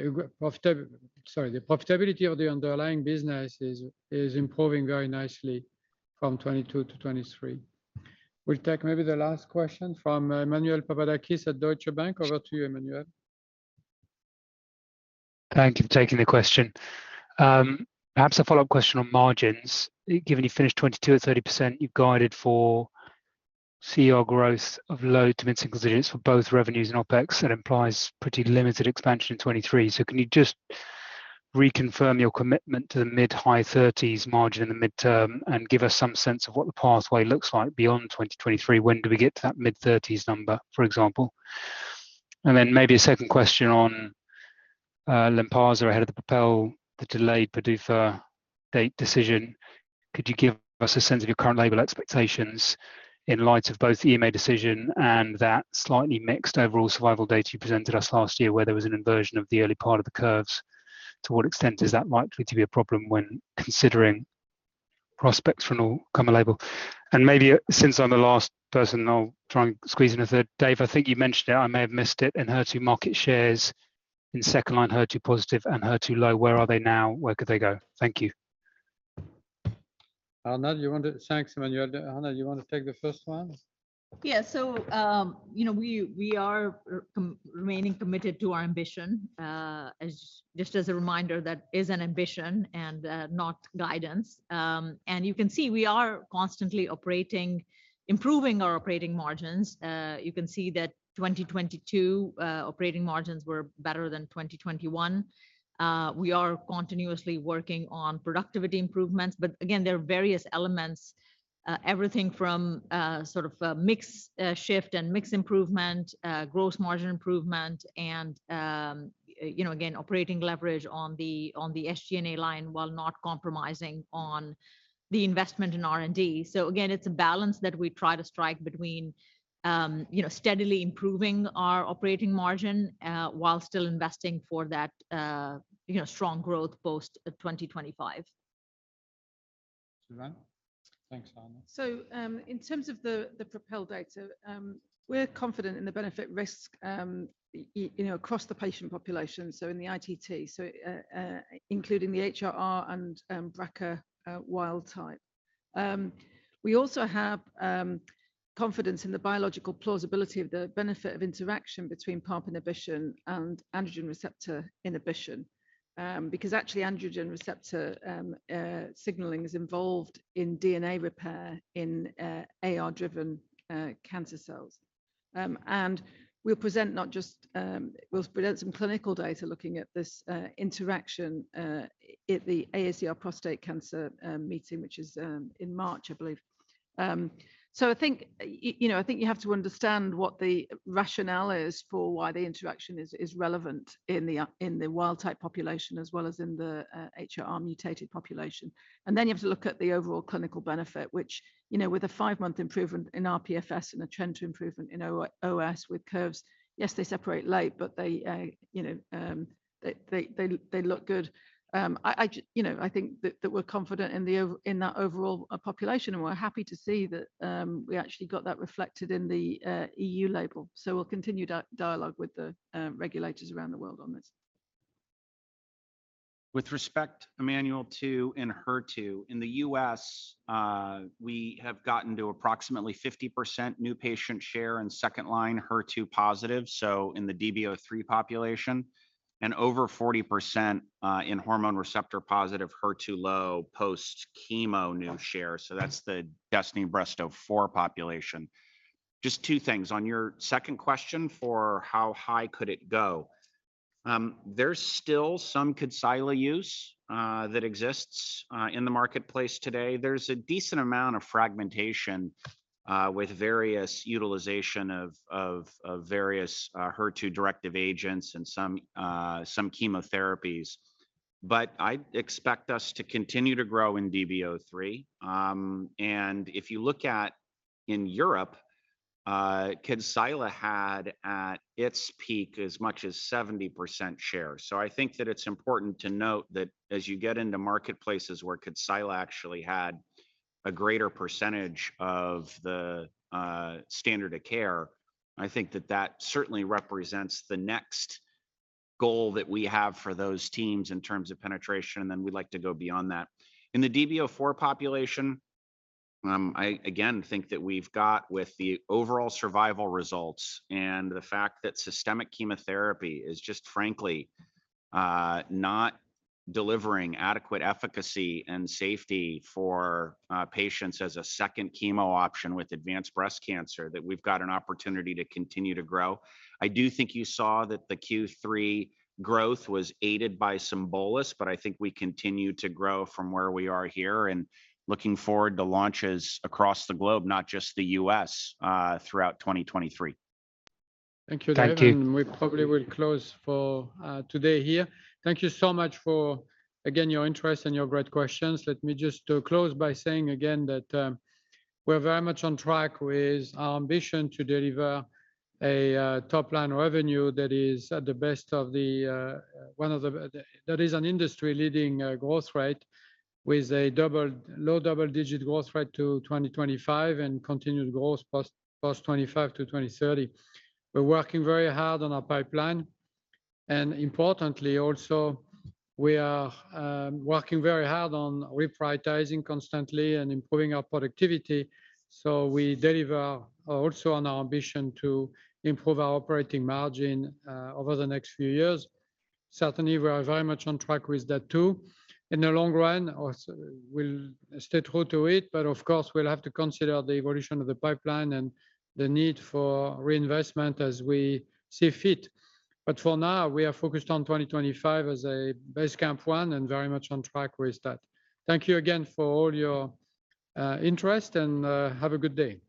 sorry, the profitability of the underlying business is improving very nicely from 2022 to 2023. We'll take maybe the last question from Emmanuel Papadakis at Deutsche Bank. Over to you, Emmanuel. Thank you for taking the question. Perhaps a follow-up question on margins. Given you finished 2022 at 30%, you've guided for CR growth of low to mid-single digits for both revenues and OpEx, that implies pretty limited expansion in 2023. Can you just reconfirm your commitment to the mid-high 30s margin in the mid-term and give us some sense of what the pathway looks like beyond 2023? When do we get to that mid-30s number, for example? Maybe a second question on Lynparza ahead of the PROpel, the delayed PDUFA date decision. Could you give us a sense of your current label expectations in light of both the EMA decision and that slightly mixed overall survival data you presented us last year where there was an inversion of the early part of the curves? To what extent is that likely to be a problem when considering prospects for an all-comer label? Maybe since I'm the last person, I'll try and squeeze in a third. Dave, I think you mentioned it, I may have missed it, in Enhertu market shares in second line, HER2-positive and HER2-low, where are they now? Where could they go? Thank you. Thanks, Emmanuel. Aradhana, do you want to take the first one? Yeah. You know, we are remaining committed to our ambition. As just as a reminder, that is an ambition and not guidance. You can see we are constantly operating, improving our operating margins. You can see that 2022 operating margins were better than 2021. We are continuously working on productivity improvements, but again, there are various elements, everything from sort of mix, shift and mix improvement, gross margin improvement, and, you know, again, operating leverage on the SG&A line while not compromising on the investment in R&D. Again, it's a balance that we try to strike between, you know, steadily improving our operating margin, while still investing for that, you know, strong growth post 2025. Susan? Thanks, Aradhana. In terms of the PROpel data, we're confident in the benefit risk, you know, across the patient population, so in the ITT, so including the HRR and BRCA wild type. We also have confidence in the biological plausibility of the benefit of interaction between pump inhibition and androgen receptor inhibition, because actually androgen receptor signaling is involved in DNA repair in AR-driven cancer cells. We'll present some clinical data looking at this interaction at the AACR Prostate Cancer meeting, which is in March, I believe. I think, you know, I think you have to understand what the rationale is for why the interaction is relevant in the wild type population as well as in the HRR mutated population. You have to look at the overall clinical benefit, which, you know, with a five-month improvement in rPFS and a trend to improvement in OS with curves, yes, they separate late, but they, you know, they look good. I, you know, I think that we're confident in that overall population, and we're happy to see that we actually got that reflected in the EU label. We'll continue dialogue with the regulators around the world on this. With respect, Emmanuel, to and Enhertu, in the U.S., we have gotten to approximately 50% new patient share in second line HER2-positive, so in the DB03 population, and over 40% in hormone receptor positive HER2-low post-chemo new share. That's the DESTINY-Breast 04 population. Just two things. On your second question for how high could it go, there's still some Kadcyla use that exists in the marketplace today. There's a decent amount of fragmentation with various utilization of various HER2-directed agents and some chemotherapies. I expect us to continue to grow in DB03. If you look at in Europe, Kadcyla had at its peak as much as 70% share. I think that it's important to note that as you get into marketplaces where Kadcyla actually had a greater percentage of the standard of care, I think that that certainly represents the next goal that we have for those teams in terms of penetration, and then we'd like to go beyond that. In the DB04 population, I again think that we've got with the overall survival results and the fact that systemic chemotherapy is just frankly not delivering adequate efficacy and safety for patients as a second chemo option with advanced breast cancer that we've got an opportunity to continue to grow. I do think you saw that the Q3 growth was aided by some bolus, but I think we continue to grow from where we are here, and looking forward to launches across the globe, not just the U.S., throughout 2023. Thank you, David. Thank you. We probably will close for today here. Thank you so much for, again, your interest and your great questions. Let me just close by saying again that we're very much on track with our ambition to deliver a top line revenue that is an industry-leading growth rate with a double, low double-digit growth rate to 2025 and continued growth post 2025 to 2030. Importantly also, we are working very hard on reprioritizing constantly and improving our productivity, so we deliver also on our ambition to improve our operating margin over the next few years. Certainly, we are very much on track with that too. In the long run, also we'll stay true to it, but of course, we'll have to consider the evolution of the pipeline and the need for reinvestment as we see fit. For now, we are focused on 2025 as a base camp 1 and very much on track with that. Thank you again for all your interest and have a good day.